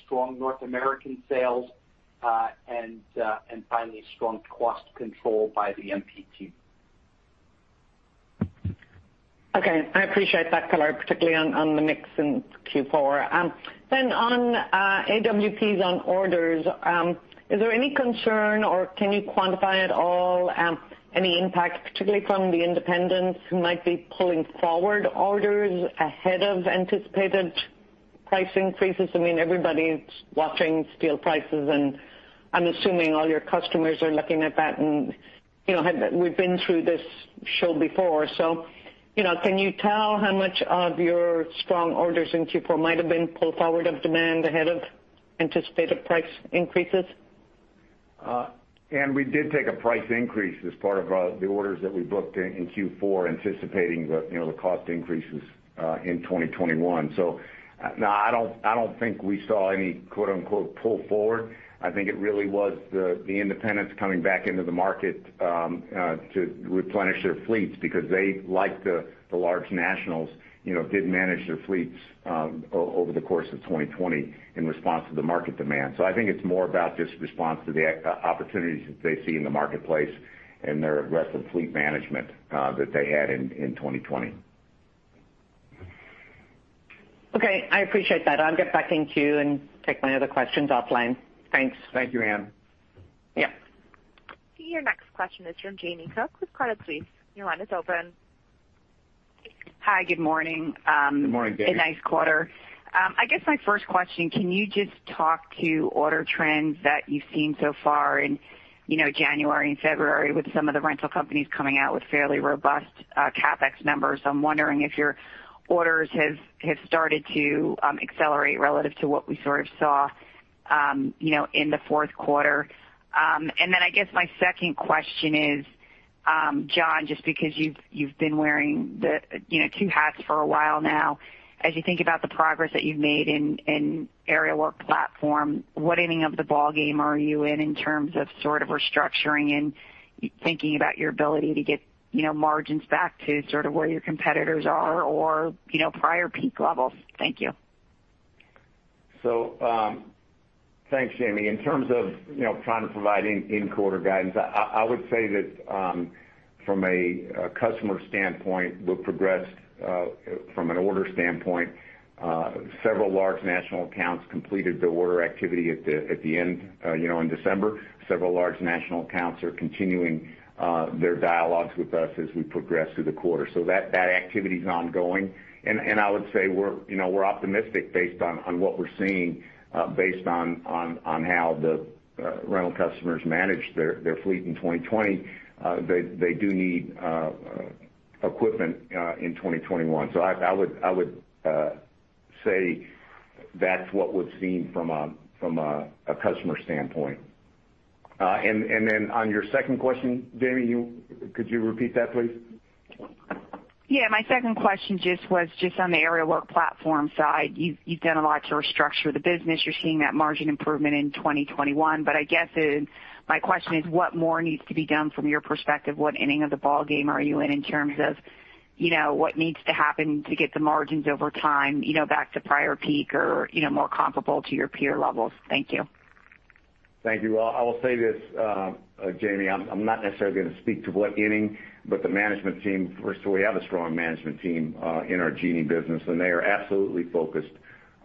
strong North American sales, and finally, strong cost control by the MP team. Okay. I appreciate that color, particularly on the mix in Q4. On AWP orders, is there any concern or can you quantify at all any impact, particularly from the independents who might be pulling forward orders ahead of anticipated price increases? Everybody's watching steel prices, and I'm assuming all your customers are looking at that, and we've been through this show before. Can you tell how much of your strong orders in Q4 might have been pulled forward of demand ahead of anticipated price increases? Ann, we did take a price increase as part of the orders that we booked in Q4, anticipating the cost increases in 2021. No, I don't think we saw any "pull forward." I think it really was the independents coming back into the market to replenish their fleets because they, like the large nationals, did manage their fleets over the course of 2020 in response to the market demand. I think it's more about just response to the opportunities that they see in the marketplace and their aggressive fleet management that they had in 2020. I appreciate that. I'll get back in queue and take my other questions offline. Thanks. Thank you, Ann. Yeah. Your next question is from Jamie Cook with Credit Suisse. Your line is open. Hi, good morning. Good morning, Jamie. A nice quarter. I guess my first question, can you just talk to order trends that you've seen so far in January and February with some of the rental companies coming out with fairly robust CapEx numbers? I'm wondering if your orders have started to accelerate relative to what we sort of saw in the fourth quarter. I guess my second question is, John, just because you've been wearing the two hats for a while now, as you think about the progress that you've made in Aerial Work Platforms, what inning of the ballgame are you in terms of restructuring and thinking about your ability to get margins back to where your competitors are or prior peak levels? Thank you. Thanks, Jamie. In terms of trying to provide in-quarter guidance, I would say that from a customer standpoint, we've progressed from an order standpoint. Several large national accounts completed their order activity at the end in December. Several large national accounts are continuing their dialogues with us as we progress through the quarter. That activity's ongoing. I would say we're optimistic based on what we're seeing, based on how the rental customers managed their fleet in 2020. They do need equipment in 2021. I would say that's what we've seen from a customer standpoint. Then on your second question, Jamie, could you repeat that, please? Yeah. My second question just was just on the Aerial Work Platforms side. You've done a lot to restructure the business. You're seeing that margin improvement in 2021. I guess my question is, what more needs to be done from your perspective? What inning of the ballgame are you in terms of what needs to happen to get the margins over time back to prior peak or more comparable to your peer levels? Thank you. Thank you. I will say this, Jamie. I'm not necessarily going to speak to what inning, but the management team, first of all, we have a strong management team in our Genie business, and they are absolutely focused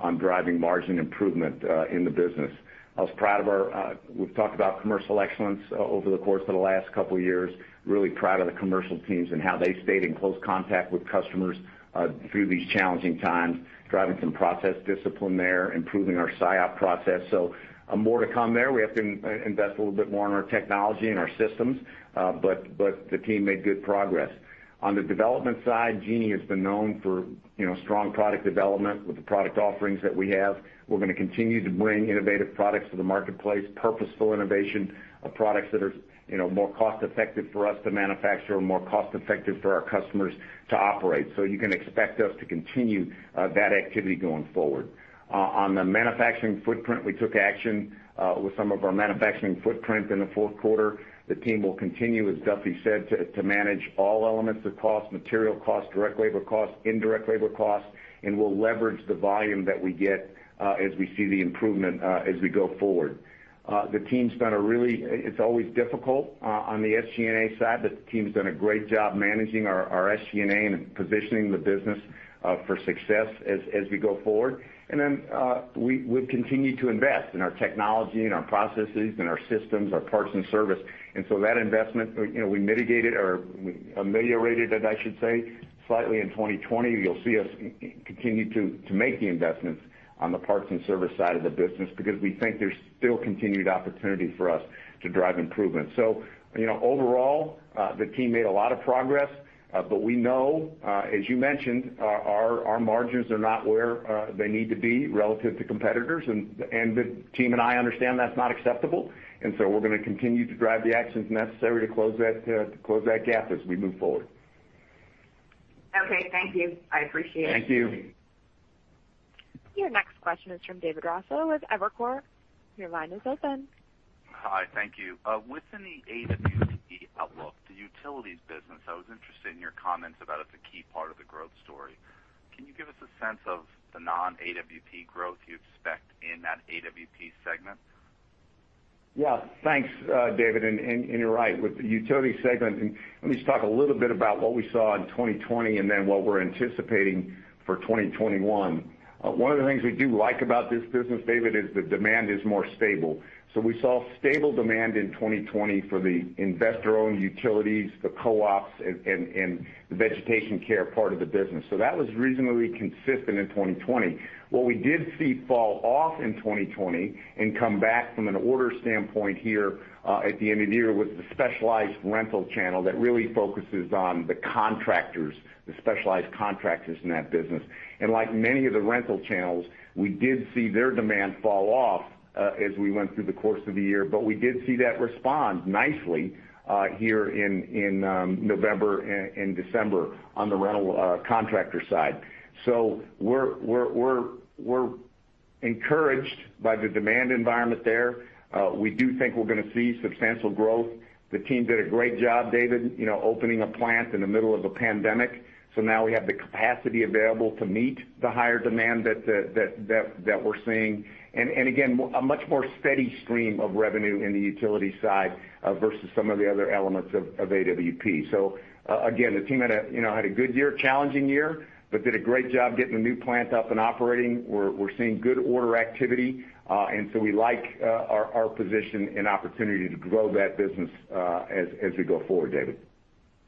on driving margin improvement in the business. We've talked about commercial excellence over the course of the last couple of years, really proud of the commercial teams and how they stayed in close contact with customers through these challenging times, driving some process discipline there, improving our SIOP process. More to come there. We have to invest a little bit more in our technology and our systems. The team made good progress. On the development side, Genie has been known for strong product development with the product offerings that we have. We're going to continue to bring innovative products to the marketplace, purposeful innovation of products that are more cost-effective for us to manufacture and more cost-effective for our customers to operate. You can expect us to continue that activity going forward. On the manufacturing footprint, we took action with some of our manufacturing footprint in the fourth quarter. The team will continue, as Duffy said, to manage all elements of cost, material cost, direct labor cost, indirect labor cost, and we'll leverage the volume that we get as we see the improvement as we go forward. It's always difficult on the SG&A side, but the team's done a great job managing our SG&A and positioning the business for success as we go forward. We've continued to invest in our technology and our processes and our systems, our parts and service. That investment, we mitigated, or we ameliorated it, I should say, slightly in 2020. You'll see us continue to make the investments on the parts and service side of the business because we think there's still continued opportunity for us to drive improvement. Overall, the team made a lot of progress. We know, as you mentioned, our margins are not where they need to be relative to competitors. The team and I understand that's not acceptable. We're going to continue to drive the actions necessary to close that gap as we move forward. Okay. Thank you. I appreciate it. Thank you. Your next question is from David Raso with Evercore. Your line is open. Hi. Thank you. Within the AWP outlook, the utilities business, I was interested in your comments about it's a key part of the growth story. Can you give us a sense of the non-AWP growth you expect in that AWP segment? Yeah. Thanks, David. You're right. With the utility segment, let me just talk a little bit about what we saw in 2020 and then what we're anticipating for 2021. One of the things we do like about this business, David, is the demand is more stable. We saw stable demand in 2020 for the investor-owned utilities, the co-ops, and the vegetation care part of the business. That was reasonably consistent in 2020. What we did see fall off in 2020 and come back from an order standpoint here at the end of the year was the specialized rental channel that really focuses on the contractors, the specialized contractors in that business. Like many of the rental channels, we did see their demand fall off as we went through the course of the year. We did see that respond nicely here in November and December on the rental contractor side. We're encouraged by the demand environment there. We do think we're going to see substantial growth. The team did a great job, David, opening a plant in the middle of a pandemic. Now we have the capacity available to meet the higher demand that we're seeing. Again, a much more steady stream of revenue in the utility side versus some of the other elements of AWP. Again, the team had a good year, challenging year, but did a great job getting the new plant up and operating. We're seeing good order activity. So we like our position and opportunity to grow that business as we go forward, David.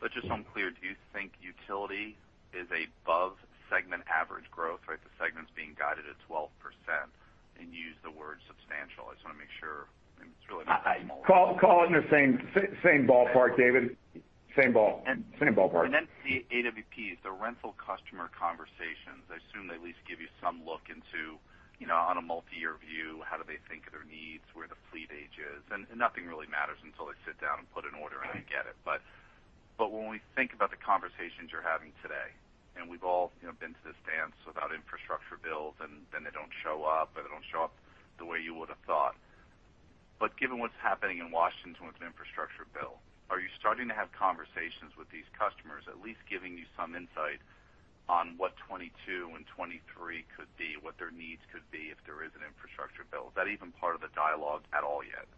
Just so I'm clear, do you think Utilities is above segment average growth, right? The segment's being guided at 12% and you used the word substantial. I just want to make sure. I mean, it's really not that small. Call it in the same ballpark, David. Same ballpark. In AWP, the rental customer conversations, I assume they at least give you some look into, on a multi-year view, how do they think of their needs, where the fleet age is, and nothing really matters until they sit down and put an order in and get it. When we think about the conversations you're having today, and we've all been to this dance about infrastructure bills, and then they don't show up, or they don't show up the way you would've thought. Given what's happening in Washington with the infrastructure bill, are you starting to have conversations with these customers, at least giving you some insight on what 2022 and 2023 could be, what their needs could be if there is an infrastructure bill? Is that even part of the dialogue at all yet?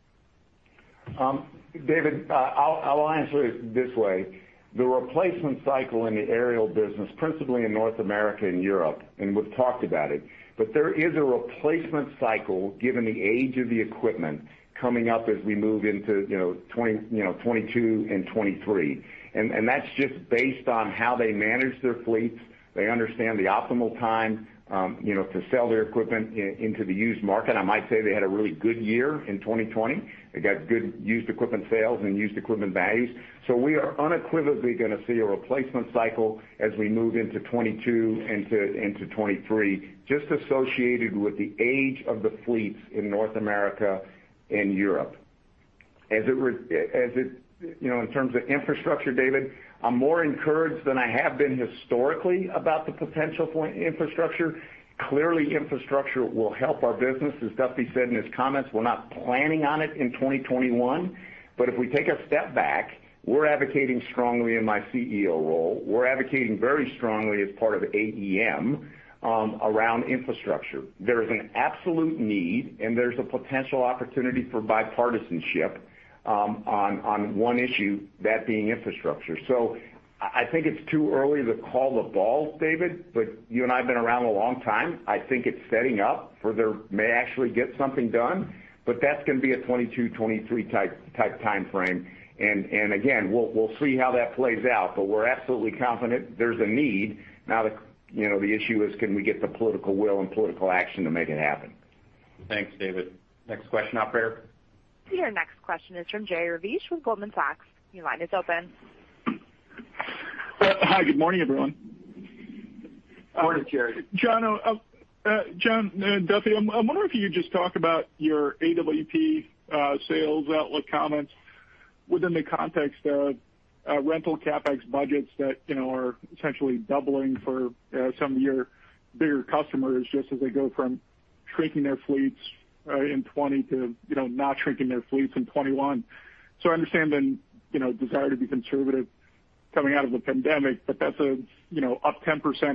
David, I'll answer it this way. The replacement cycle in the Aerial Work business, principally in North America and Europe, and we've talked about it, but there is a replacement cycle, given the age of the equipment, coming up as we move into 2022 and 2023. That's just based on how they manage their fleets. They understand the optimal time to sell their equipment into the used market. I might say they had a really good year in 2020. They got good used equipment sales and used equipment values. We are unequivocally going to see a replacement cycle as we move into 2022 and into 2023, just associated with the age of the fleets in North America and Europe. In terms of infrastructure, David, I'm more encouraged than I have been historically about the potential for infrastructure. Clearly, infrastructure will help our business. As Duffy said in his comments, we're not planning on it in 2021. If we take a step back, we're advocating strongly in my CEO role, we're advocating very strongly as part of AEM, around infrastructure. There is an absolute need, and there's a potential opportunity for bipartisanship on one issue, that being infrastructure. I think it's too early to call the balls, David, you and I have been around a long time. I think it's setting up where there may actually get something done, that's going to be a 2022, 2023 type timeframe. Again, we'll see how that plays out. We're absolutely confident there's a need. Now the issue is can we get the political will and political action to make it happen. Thanks, David. Next question, operator. Your next question is from Jerry Revich with Goldman Sachs. Your line is open. Hi. Good morning, everyone. Morning, Jerry. John and Duffy, I'm wondering if you could just talk about your AWP sales outlook comments within the context of rental CapEx budgets that are essentially doubling for some of your bigger customers just as they go from shrinking their fleets in 20 to not shrinking their fleets in 21. I understand the desire to be conservative coming out of a pandemic, but up 10%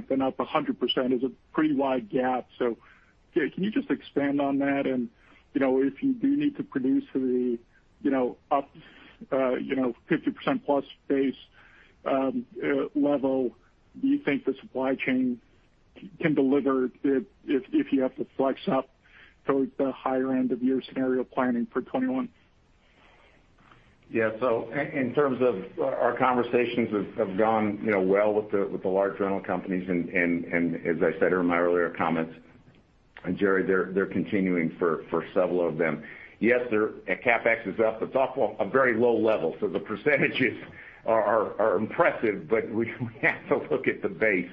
then up 100% is a pretty wide gap. Can you just expand on that and if you do need to produce the up 50%+ base level, do you think the supply chain can deliver if you have to flex up towards the higher end of your scenario planning for 2021? Yeah. In terms of our conversations have gone well with the large rental companies, and as I said in my earlier comments, and Jerry, they're continuing for several of them. Yes, their CapEx is up. It's off a very low level, so the percentages are impressive, but we have to look at the base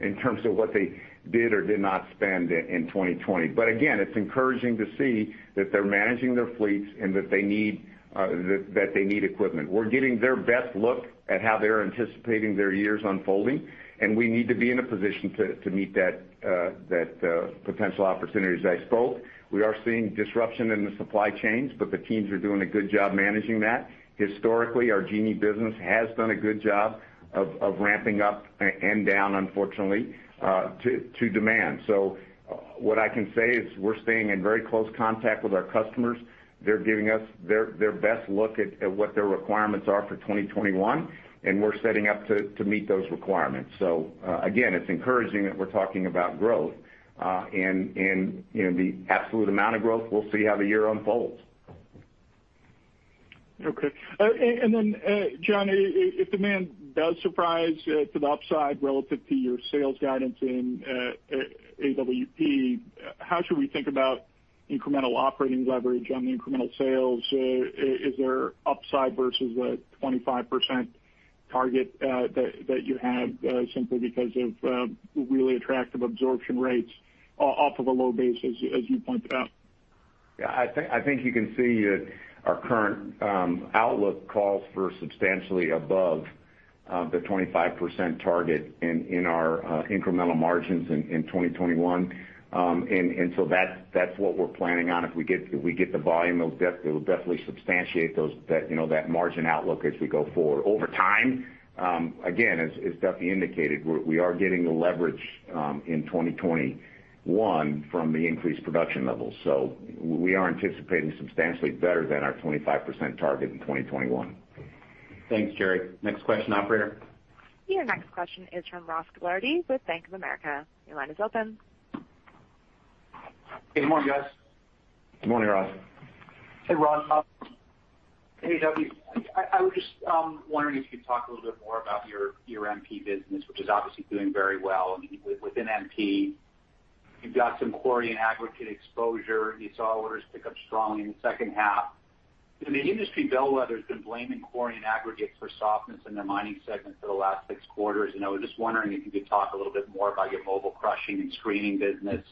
in terms of what they did or did not spend in 2020. Again, it's encouraging to see that they're managing their fleets, and that they need equipment. We're getting their best look at how they're anticipating their years unfolding, and we need to be in a position to meet that potential opportunity. As I spoke, we are seeing disruption in the supply chains, but the teams are doing a good job managing that. Historically, our Genie business has done a good job of ramping up, and down, unfortunately, to demand. What I can say is we're staying in very close contact with our customers. They're giving us their best look at what their requirements are for 2021, and we're setting up to meet those requirements. Again, it's encouraging that we're talking about growth. The absolute amount of growth, we'll see how the year unfolds. Okay. John, if demand does surprise to the upside relative to your sales guidance in AWP, how should we think about incremental operating leverage on the incremental sales? Is there upside versus a 25% target that you have simply because of really attractive absorption rates off of a low base, as you pointed out? I think you can see our current outlook calls for substantially above the 25% target in our incremental margins in 2021. That's what we're planning on. If we get the volume, it'll definitely substantiate that margin outlook as we go forward. Over time, again, as Duffy indicated, we are getting the leverage in 2021 from the increased production levels. We are anticipating substantially better than our 25% target in 2021. Thanks, Jerry. Next question, operator. Your next question is from Ross Gilardi with Bank of America. Your line is open. Good morning, guys. Good morning, Ross. Hey, Ross. AWP, I was just wondering if you could talk a little bit more about your MP business, which is obviously doing very well. Within MP, you've got some quarry and aggregate exposure. You saw orders pick up strongly in the second half. The industry bellwether's been blaming quarry and aggregate for softness in the mining segment for the last six quarters. I was just wondering if you could talk a little bit more about your mobile crushing and screening business.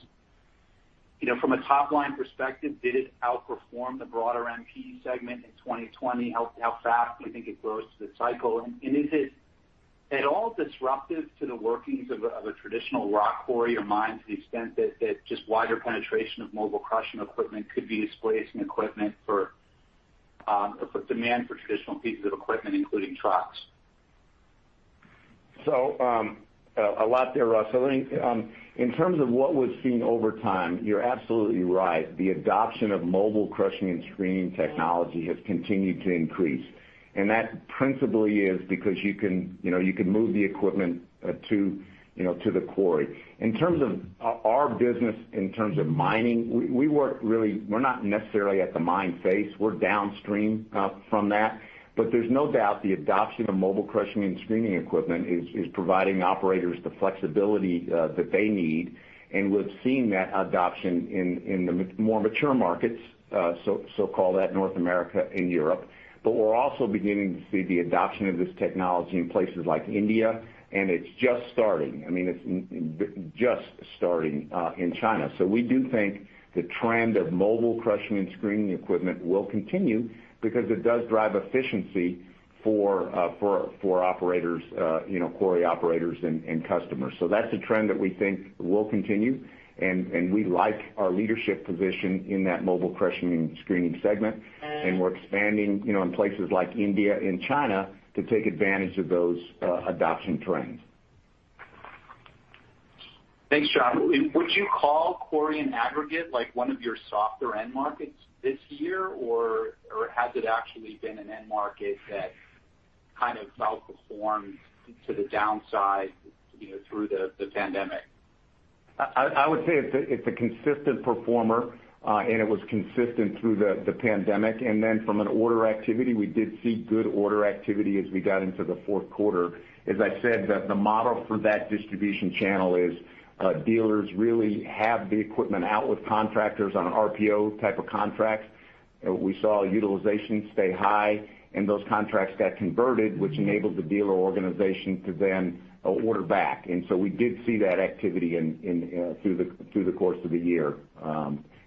From a top-line perspective, did it outperform the broader MP segment in 2020? How fast do you think it grows to the cycle? Is it at all disruptive to the workings of a traditional rock quarry or mine to the extent that just wider penetration of mobile crushing equipment could be displacing equipment for demand for traditional pieces of equipment, including trucks? A lot there, Ross. I think in terms of what was seen over time, you're absolutely right. The adoption of mobile crushing and screening technology has continued to increase, and that principally is because you can move the equipment to the quarry. In terms of our business, in terms of mining, we're not necessarily at the mine face. We're downstream from that. There's no doubt the adoption of mobile crushing and screening equipment is providing operators the flexibility that they need. We've seen that adoption in the more mature markets, so-called that North America and Europe. We're also beginning to see the adoption of this technology in places like India, and it's just starting. It's just starting in China. We do think the trend of mobile crushing and screening equipment will continue because it does drive efficiency for quarry operators and customers. That's a trend that we think will continue, and we like our leadership position in that mobile crushing and screening segment. We're expanding in places like India and China to take advantage of those adoption trends. Thanks, John. Would you call quarry and aggregate one of your softer end markets this year, or has it actually been an end market that kind of outperforms to the downside through the pandemic? I would say it's a consistent performer, and it was consistent through the pandemic. Then from an order activity, we did see good order activity as we got into the fourth quarter. As I said, the model for that distribution channel is dealers really have the equipment out with contractors on an RPO type of contract. We saw utilization stay high, and those contracts got converted, which enabled the dealer organization to then order back. So we did see that activity through the course of the year,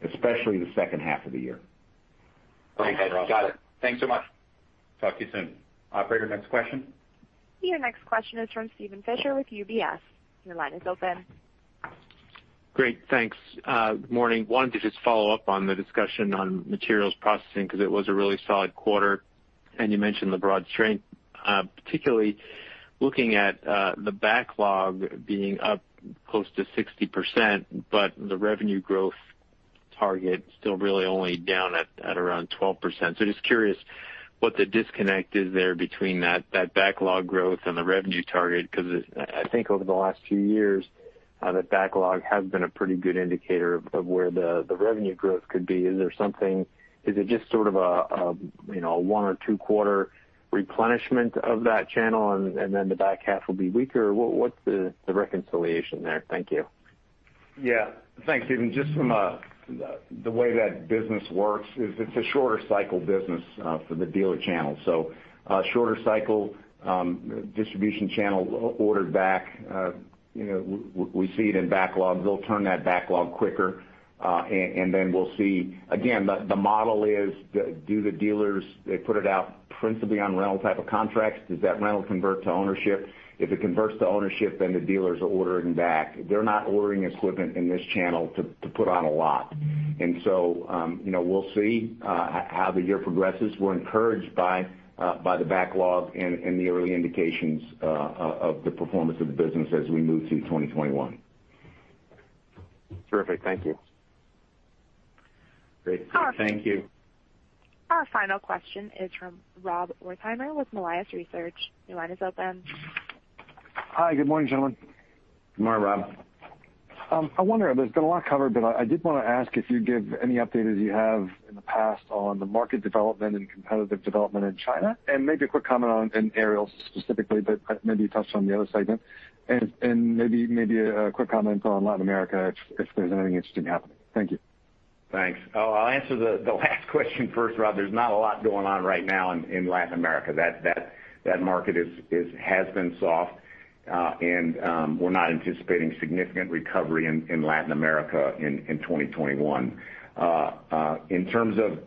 especially the second half of the year. Thanks, guys. Got it. Thanks so much. Talk to you soon. Operator, next question. Your next question is from Steven Fisher with UBS. Your line is open. Great, thanks. Good morning. Wanted to just follow up on the discussion on Materials Processing because it was a really solid quarter, and you mentioned the broad strength. Particularly looking at the backlog being up close to 60%, but the revenue growth target still really only down at around 12%. Just curious what the disconnect is there between that backlog growth and the revenue target, because I think over the last few years, the backlog has been a pretty good indicator of where the revenue growth could be. Is it just sort of a one or two quarter replenishment of that channel and then the back half will be weaker, or what's the reconciliation there? Thank you. Yeah. Thanks, Steven. Just from the way that business works is it's a shorter cycle business for the dealer channel. Shorter cycle distribution channel ordered back. We see it in backlog. They'll turn that backlog quicker, and then we'll see. Again, the model is do the dealers, they put it out principally on rental type of contracts. Does that rental convert to ownership? If it converts to ownership, then the dealers are ordering back. They're not ordering equipment in this channel to put on a lot. We'll see how the year progresses. We're encouraged by the backlog and the early indications of the performance of the business as we move to 2021. Terrific. Thank you. Great. Thank you. Our final question is from Rob Wertheimer with Melius Research. Your line is open. Hi. Good morning, gentlemen. Good morning, Rob. I wonder, there's been a lot covered, but I did want to ask if you'd give any update, as you have in the past, on the market development and competitive development in China, and maybe a quick comment on Aerials specifically, but maybe you touched on the other segment and maybe a quick comment on Latin America, if there's anything interesting happening? Thank you. Thanks. I'll answer the last question first, Rob. There's not a lot going on right now in Latin America. That market has been soft, and we're not anticipating significant recovery in Latin America in 2021. In terms of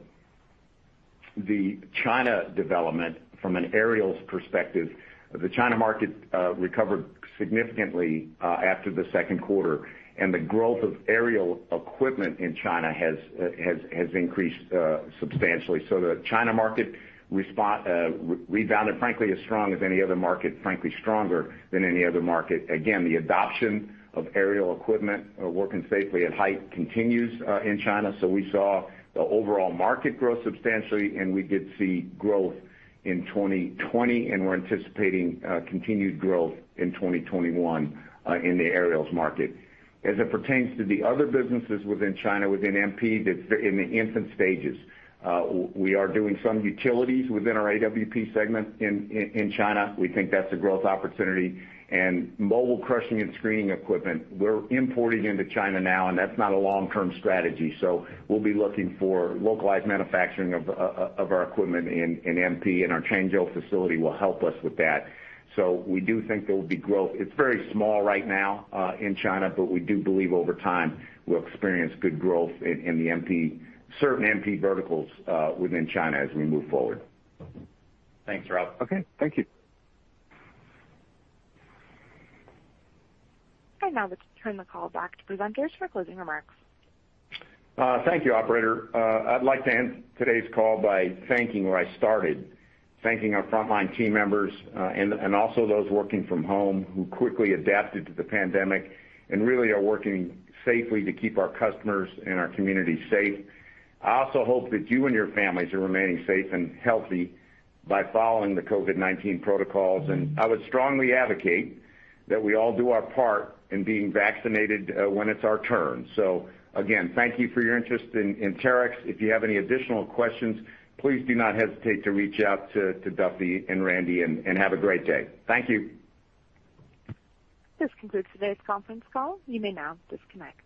the China development from an aerials perspective, the China market recovered significantly after the second quarter, and the growth of aerial equipment in China has increased substantially. The China market rebounded, frankly, as strong as any other market, frankly, stronger than any other market. Again, the adoption of aerial equipment, working safely at height continues in China. We saw the overall market grow substantially, and we did see growth in 2020, and we're anticipating continued growth in 2021 in the aerials market. As it pertains to the other businesses within China, within MP, that's in the infant stages. We are doing some utilities within our AWP segment in China. We think that's a growth opportunity, and mobile crushing and screening equipment we're importing into China now, and that's not a long-term strategy. We'll be looking for localized manufacturing of our equipment in MP, and our Changzhou facility will help us with that. We do think there will be growth. It's very small right now in China, but we do believe over time we'll experience good growth in certain MP verticals within China as we move forward. Thanks, Rob. Okay, thank you. I'd now like to turn the call back to presenters for closing remarks. Thank you, operator. I'd like to end today's call by thanking where I started, thanking our frontline team members and also those working from home who quickly adapted to the pandemic and really are working safely to keep our customers and our communities safe. I also hope that you and your families are remaining safe and healthy by following the COVID-19 protocols, and I would strongly advocate that we all do our part in being vaccinated when it's our turn. Again, thank you for your interest in Terex. If you have any additional questions, please do not hesitate to reach out to Duffy and Randy, and have a great day. Thank you. This concludes today's conference call. You may now disconnect.